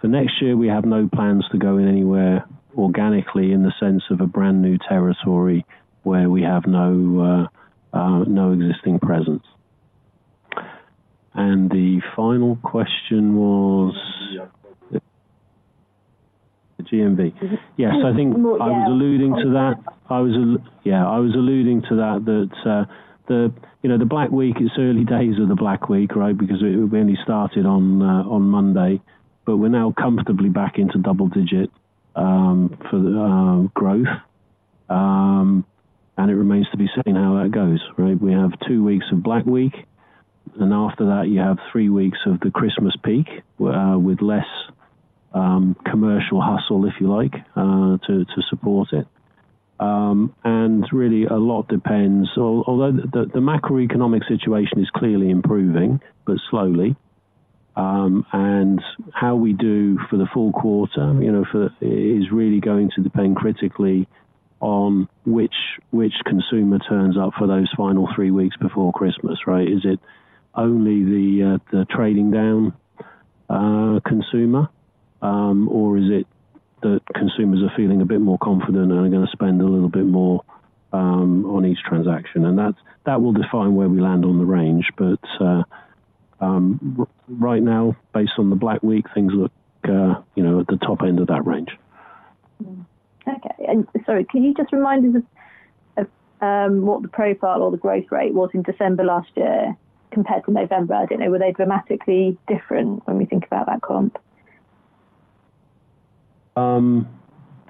For next year, we have no plans to go in anywhere organically in the sense of a brand-new territory where we have no no existing presence. And the final question was... The GMV. Yes, I think- Yeah. I was alluding to that, yeah. I was alluding to that, that, you know, the Black Week. It's early days of the Black Week, right? Because it only started on Monday, but we're now comfortably back into double-digit growth. And it remains to be seen how that goes, right? We have two weeks of Black Week, and after that, you have three weeks of the Christmas peak, with less commercial hustle, if you like, to support it. And really, a lot depends, although the macroeconomic situation is clearly improving, but slowly. And how we do for the full quarter, you know, is really going to depend critically on which consumer turns up for those final three weeks before Christmas, right? Is it only the trading down consumer, or is it the consumers are feeling a bit more confident and are gonna spend a little bit more on each transaction? And that will define where we land on the range. But right now, based on the Black Week, things look, you know, at the top end of that range. Mm-hmm. Okay, and sorry, can you just remind us of what the profile or the growth rate was in December last year compared to November? I don't know, were they dramatically different when we think about that comp?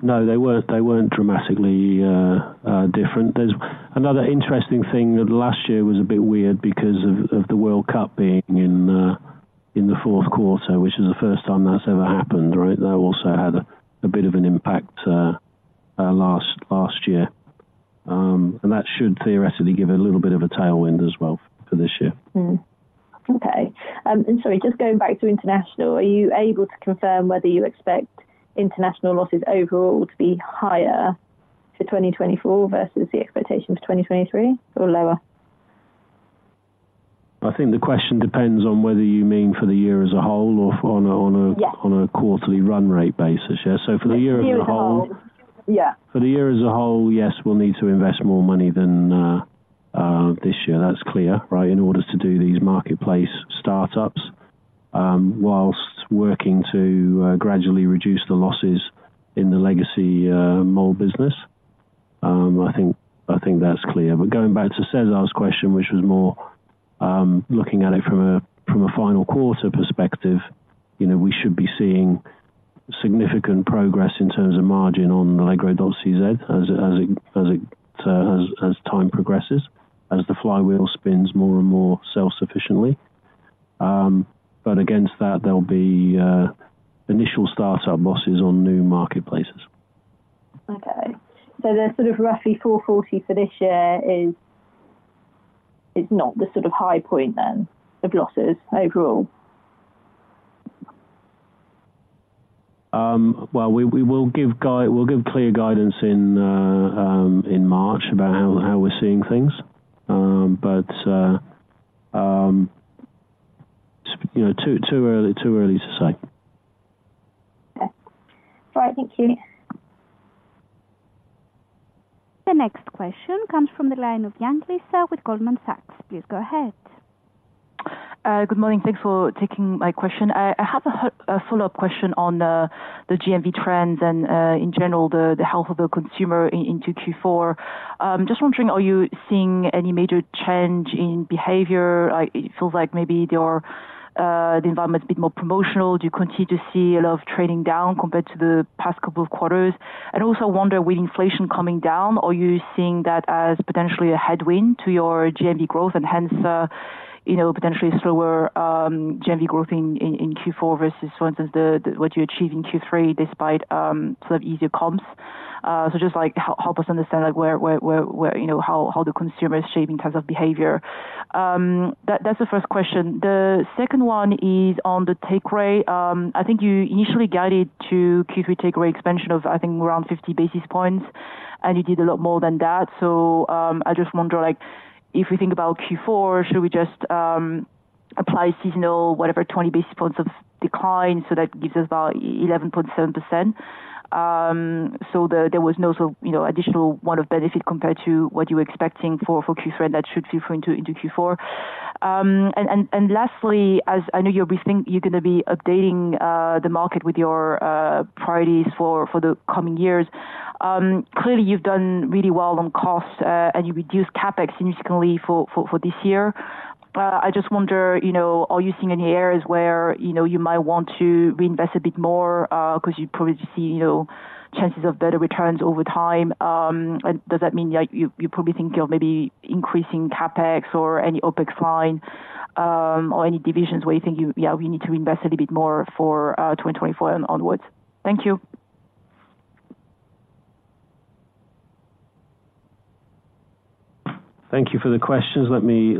No, they weren't dramatically different. There's another interesting thing, that last year was a bit weird because of the World Cup being in the fourth quarter, which is the first time that's ever happened, right? That also had a bit of an impact last year. And that should theoretically give it a little bit of a tailwind as well for this year. Mm-hmm. Okay. And sorry, just going back to international, are you able to confirm whether you expect international losses overall to be higher for 2024 versus the expectation for 2023, or lower? I think the question depends on whether you mean for the year as a whole or on a- Yes... on a quarterly run rate basis, yeah? So for the year as a whole- Year as a whole, yeah. For the year as a whole, yes, we'll need to invest more money than this year. That's clear, right? In order to do these marketplace startups, while working to gradually reduce the losses in the legacy MOL business. I think, I think that's clear. But going back to Cesar's question, which was more looking at it from a, from a final quarter perspective, you know, we should be seeing significant progress in terms of margin on Allegro.cz as it, as it, as it, as time progresses, as the flywheel spins more and more self-sufficiently. But against that, there'll be initial startup losses on new marketplaces. Okay. So the sort of roughly 440 for this year is not the sort of high point then, of losses overall? Well, we will give clear guidance in March about how we're seeing things. But you know, too early to say. Okay. All right, thank you. The next question comes from the line of Lisa Yang with Goldman Sachs. Please go ahead. Good morning. Thanks for taking my question. I have a follow-up question on the GMV trends and in general the health of the consumer into Q4. Just wondering, are you seeing any major change in behavior? It feels like maybe the environment is a bit more promotional. Do you continue to see a lot of trading down compared to the past couple of quarters? And also wonder, with inflation coming down, are you seeing that as potentially a headwind to your GMV growth and hence you know potentially slower GMV growth in Q4 versus for instance what you achieved in Q3 despite sort of easier comps? So just like help us understand like where you know how the consumer is shaping in terms of behavior. That's the first question. The second one is on the take rate. I think you initially guided to Q3 take rate expansion of, I think, around 50 basis points, and you did a lot more than that. So, I just wonder, like, if we think about Q4, should we just, apply seasonal, whatever, 20 basis points of decline, so that gives us about 11.7%? So there, there was no, so, you know, additional one of benefit compared to what you were expecting for, for Q3, that should differ into, into Q4. And, and, and lastly, as I know you'll be think- you're gonna be updating, the market with your, priorities for, for the coming years. Clearly you've done really well on costs, and you reduced CapEx significantly for, for, for this year. I just wonder, you know, are you seeing any areas where, you know, you might want to reinvest a bit more, 'cause you probably see, you know, chances of better returns over time? And does that mean that you, you probably think you're maybe increasing CapEx or any OpEx line, or any divisions where you think you, we need to invest a little bit more for 2024 and onwards? Thank you. Thank you for the questions. Let me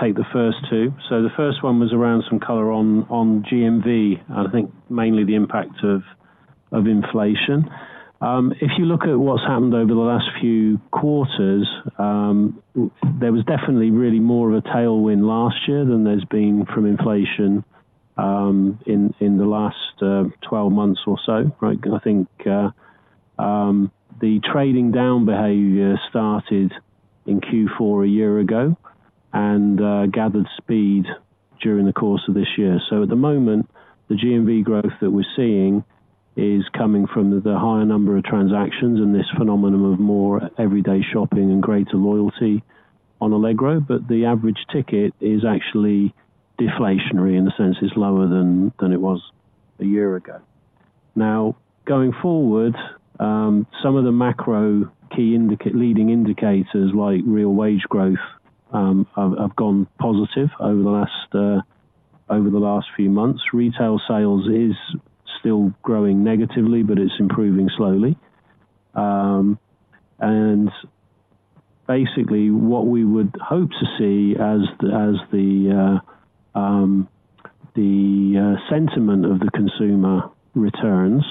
take the first two. So the first one was around some color on GMV, and I think mainly the impact of inflation. If you look at what's happened over the last few quarters, there was definitely really more of a tailwind last year than there's been from inflation, in the last 12 months or so, right? I think the trading down behavior started in Q4 a year ago and gathered speed during the course of this year. So at the moment, the GMV growth that we're seeing is coming from the higher number of transactions and this phenomenon of more everyday shopping and greater loyalty on Allegro, but the average ticket is actually deflationary, in the sense it's lower than it was a year ago. Now, going forward, some of the macro key leading indicators like real wage growth, have gone positive over the last few months. Retail sales is still growing negatively, but it's improving slowly. And basically, what we would hope to see as the sentiment of the consumer returns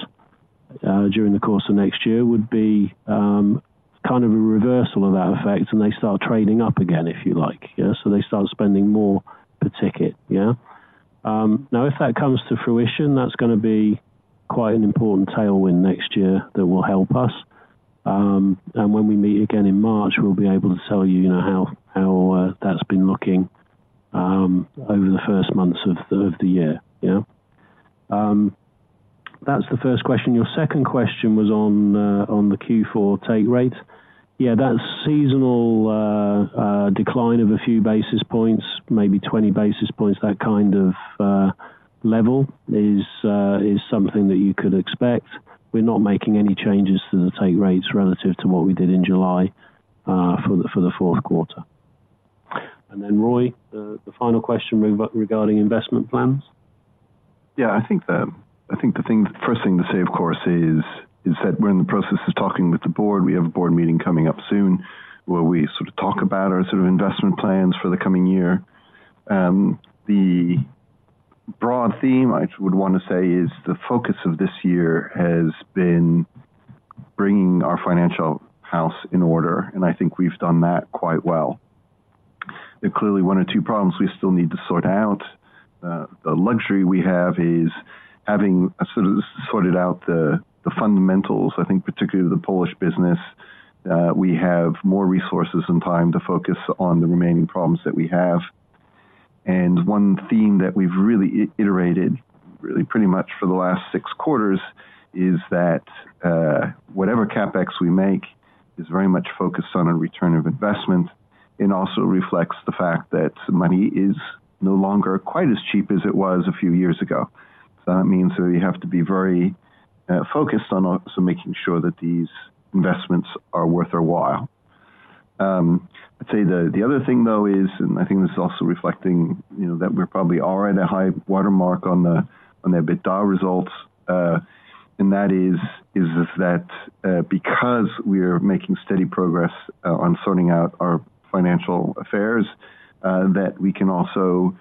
during the course of next year, would be kind of a reversal of that effect, and they start trading up again, if you like. Yeah, so they start spending more per ticket, yeah? Now, if that comes to fruition, that's gonna be quite an important tailwind next year that will help us. And when we meet again in March, we'll be able to tell you, you know, how that's been looking over the first months of the year, yeah? That's the first question. Your second question was on the, on the Q4 take rate. Yeah, that seasonal decline of a few basis points, maybe 20 basis points, that kind of level is something that you could expect. We're not making any changes to the take rates relative to what we did in July for the, for the fourth quarter. And then, Roy, the, the final question regarding investment plans? Yeah, I think the first thing to say, of course, is that we're in the process of talking with the board. We have a board meeting coming up soon, where we sort of talk about our sort of investment plans for the coming year. The broad theme would want to say is the focus of this year has been bringing our financial house in order, and I think we've done that quite well. There are clearly one or two problems we still need to sort out. The luxury we have is having sort of sorted out the fundamentals, I think, particularly the Polish business, we have more resources and time to focus on the remaining problems that we have. One theme that we've really iterated really pretty much for the last six quarters is that whatever CapEx we make is very much focused on a return of investment, and also reflects the fact that money is no longer quite as cheap as it was a few years ago. That means we have to be very focused on also making sure that these investments are worth our while. I'd say the other thing, though, is, and I think this is also reflecting, you know, that we probably are at a high water mark on the EBITDA results, and that is just that, because we're making steady progress on sorting out our financial affairs, that we can also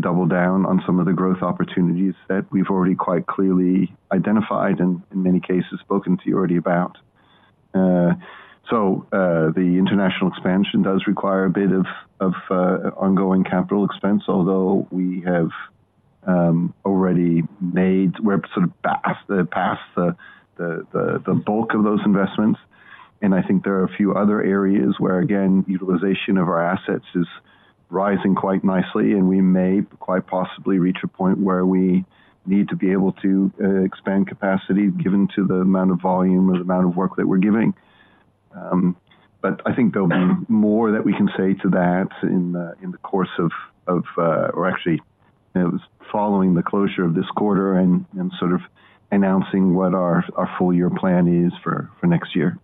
double down on some of the growth opportunities that we've already quite clearly identified and in many cases, spoken to you already about. So, the international expansion does require a bit of ongoing capital expense, although we have already made. We're sort of past the bulk of those investments. I think there are a few other areas where, again, utilization of our assets is rising quite nicely, and we may quite possibly reach a point where we need to be able to expand capacity, given to the amount of volume or the amount of work that we're giving. But I think there'll be more that we can say to that in the course of, or actually, you know, following the closure of this quarter and sort of announcing what our full year plan is for next year.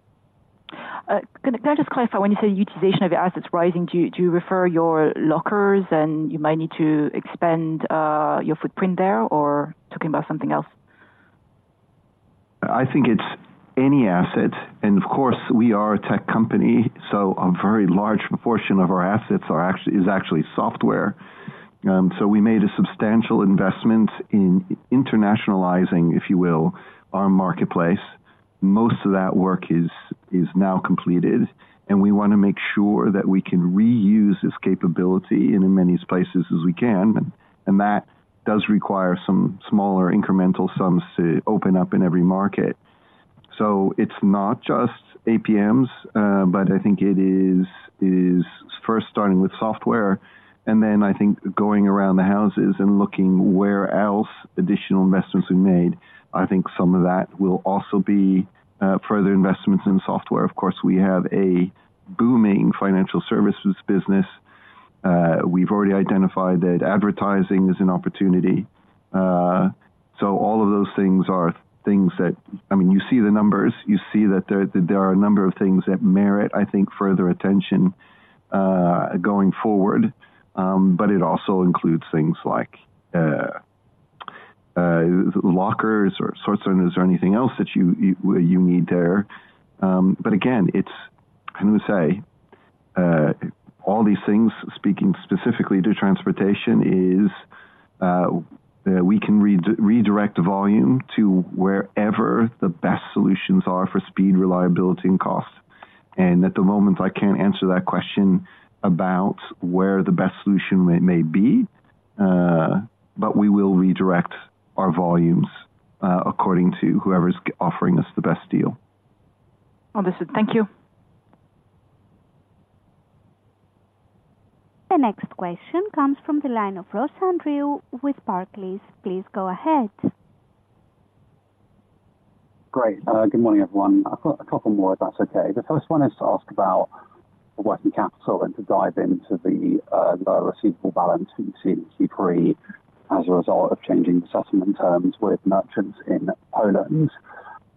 Can I just clarify, when you say utilization of your assets rising, do you refer your lockers, and you might need to expand your footprint there, or talking about something else? I think it's any asset, and of course, we are a tech company, so a very large proportion of our assets is actually software. So we made a substantial investment in internationalizing, if you will, our marketplace. ...Most of that work is now completed, and we want to make sure that we can reuse this capability in as many places as we can, and that does require some smaller incremental sums to open up in every market. So it's not just APMs, but I think it is first starting with software, and then I think going around the houses and looking where else additional investments we made. I think some of that will also be further investments in software. Of course, we have a booming financial services business. We've already identified that advertising is an opportunity. So all of those things are things that, I mean, you see the numbers, you see that there are a number of things that merit, I think, further attention going forward. But it also includes things like lockers or sort centers or anything else that you need there. But again, it's. I'm gonna say all these things, speaking specifically to transportation, is we can redirect the volume to wherever the best solutions are for speed, reliability, and cost. And at the moment, I can't answer that question about where the best solution may be, but we will redirect our volumes according to whoever's offering us the best deal. Understood. Thank you. The next question comes from the line of Andrew Ross with Barclays. Please go ahead. Great. Good morning, everyone. I've got a couple more, if that's okay. The first one is to ask about working capital and to dive into the receivable balance you see in Q3 as a result of changing the settlement terms with merchants in Poland.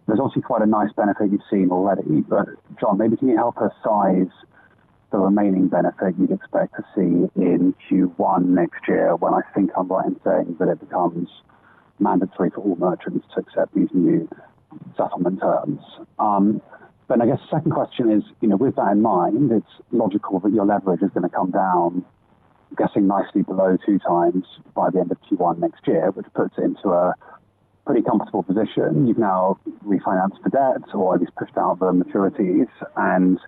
There's also quite a nice benefit you've seen already. But, Jon, maybe can you help us size the remaining benefit you'd expect to see in Q1 next year, when I think I'm right in saying that it becomes mandatory for all merchants to accept these new settlement terms? But I guess second question is, you know, with that in mind, it's logical that your leverage is going to come down, getting nicely below 2x by the end of Q1 next year, which puts it into a pretty comfortable position. You've now refinanced the debt or at least pushed out the maturities and,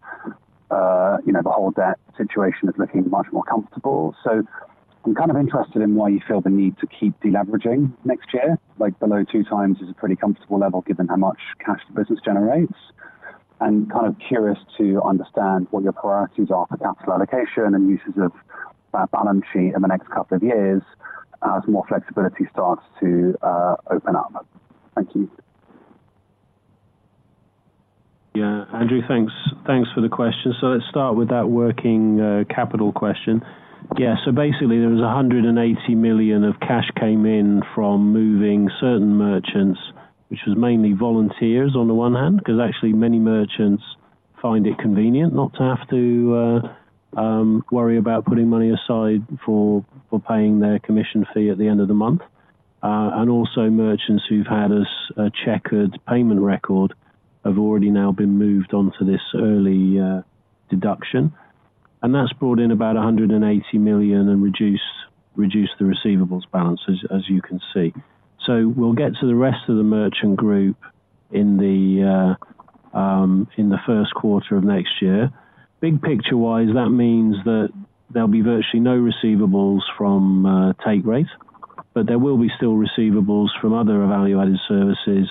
you know, the whole debt situation is looking much more comfortable. So I'm kind of interested in why you feel the need to keep deleveraging next year. Like, below 2x is a pretty comfortable level, given how much cash the business generates. I'm kind of curious to understand what your priorities are for capital allocation and uses of that balance sheet in the next couple of years as more flexibility starts to, open up. Thank you. Yeah, Andrew, thanks. Thanks for the question. So let's start with that working capital question. Yeah, so basically, there was 180 million of cash came in from moving certain merchants, which was mainly volunteers on the one hand, because actually many merchants find it convenient not to have to worry about putting money aside for paying their commission fee at the end of the month. And also merchants who've had a checkered payment record have already now been moved on to this early deduction, and that's brought in about 180 million and reduced the receivables balance, as you can see. So we'll get to the rest of the merchant group in the first quarter of next year. Big picture-wise, that means that there'll be virtually no receivables from Take Rate, but there will be still receivables from other value-added services,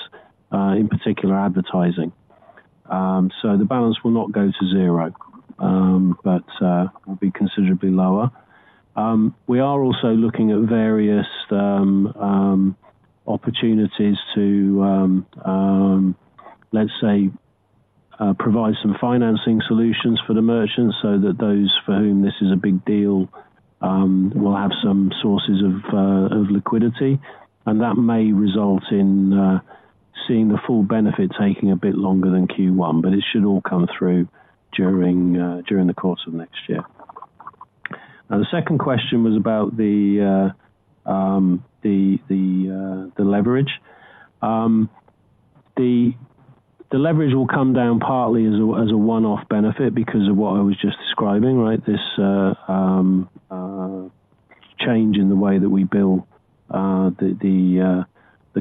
in particular, advertising. So the balance will not go to zero, but will be considerably lower. We are also looking at various opportunities to, let's say, provide some financing solutions for the merchants so that those for whom this is a big deal, will have some sources of liquidity, and that may result in seeing the full benefit taking a bit longer than Q1, but it should all come through during the course of next year. Now, the second question was about the Leverage. The leverage will come down partly as a one-off benefit because of what I was just describing, right? This change in the way that we build the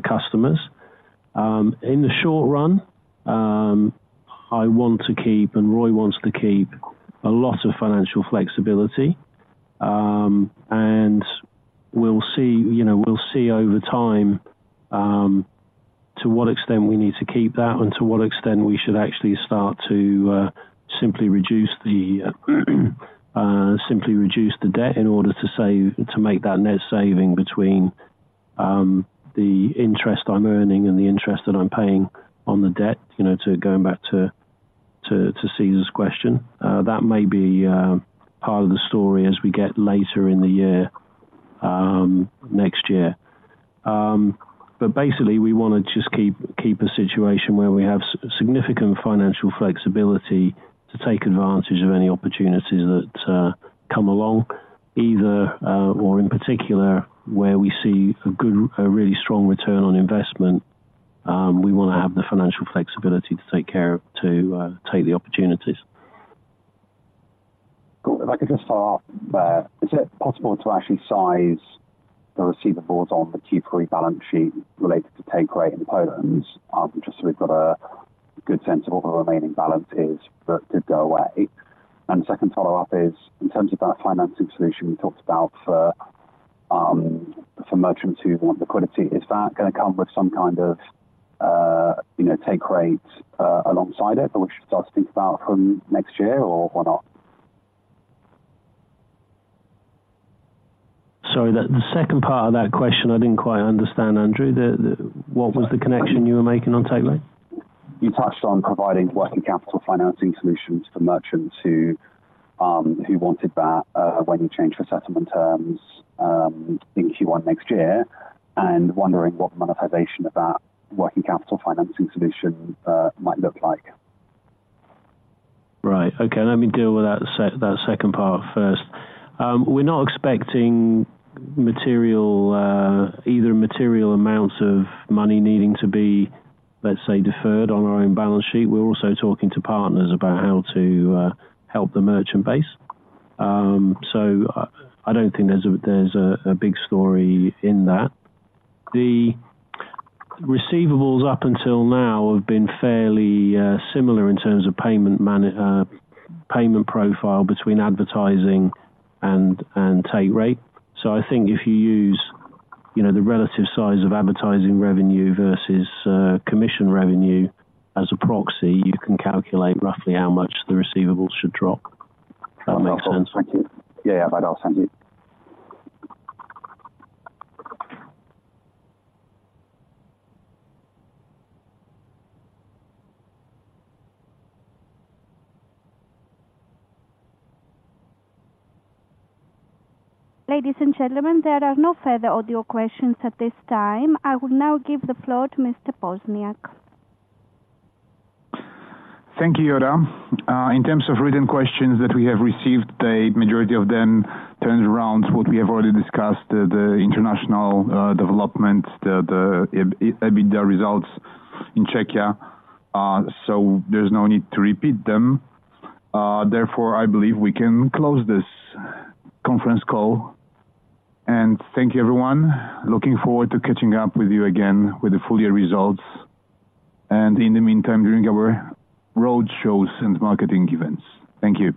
customers. In the short run, I want to keep, and Roy wants to keep a lot of financial flexibility. And we'll see, you know, we'll see over time, to what extent we need to keep that and to what extent we should actually start to simply reduce the debt in order to save, to make that net saving between the interest I'm earning and the interest that I'm paying on the debt, you know, to going back to Cesar's question. That may be part of the story as we get later in the year, next year. But basically, we wanna just keep, keep a situation where we have significant financial flexibility to take advantage of any opportunities that come along, either, or in particular, where we see a good, a really strong return on investment, we wanna have the financial flexibility to take care of, to, take the opportunities.... If I could just start, is it possible to actually size the receivables on the Q3 balance sheet related to take rate in Poland? Just so we've got a good sense of what the remaining balance is that did go away. And the second follow-up is, in terms of that financing solution we talked about for, for merchants who want liquidity, is that gonna come with some kind of, you know, take rate, alongside it, that we should start to think about from next year, or what not? Sorry, the second part of that question I didn't quite understand, Andrew. What was the connection you were making on Take Rate? You touched on providing working capital financing solutions to merchants who wanted that when you change the settlement terms in Q1 next year, and wondering what the monetization of that working capital financing solution might look like. Right. Okay, let me deal with that second part first. We're not expecting material, either material amounts of money needing to be, let's say, deferred on our own balance sheet. We're also talking to partners about how to help the merchant base. So I don't think there's a big story in that. The receivables up until now have been fairly similar in terms of payment profile between advertising and take rate. So I think if you use, you know, the relative size of advertising revenue versus commission revenue as a proxy, you can calculate roughly how much the receivables should drop. If that makes sense. Thank you. Yeah, yeah, that's all. Thank you. Ladies and gentlemen, there are no further audio questions at this time. I will now give the floor to Mr. Poźniak. Thank you, Yota. In terms of written questions that we have received, the majority of them turns around what we have already discussed, the international development, the EBITDA results in Czechia. So there's no need to repeat them. Therefore, I believe we can close this conference call. And thank you, everyone. Looking forward to catching up with you again with the full year results, and in the meantime, during our road shows and marketing events. Thank you.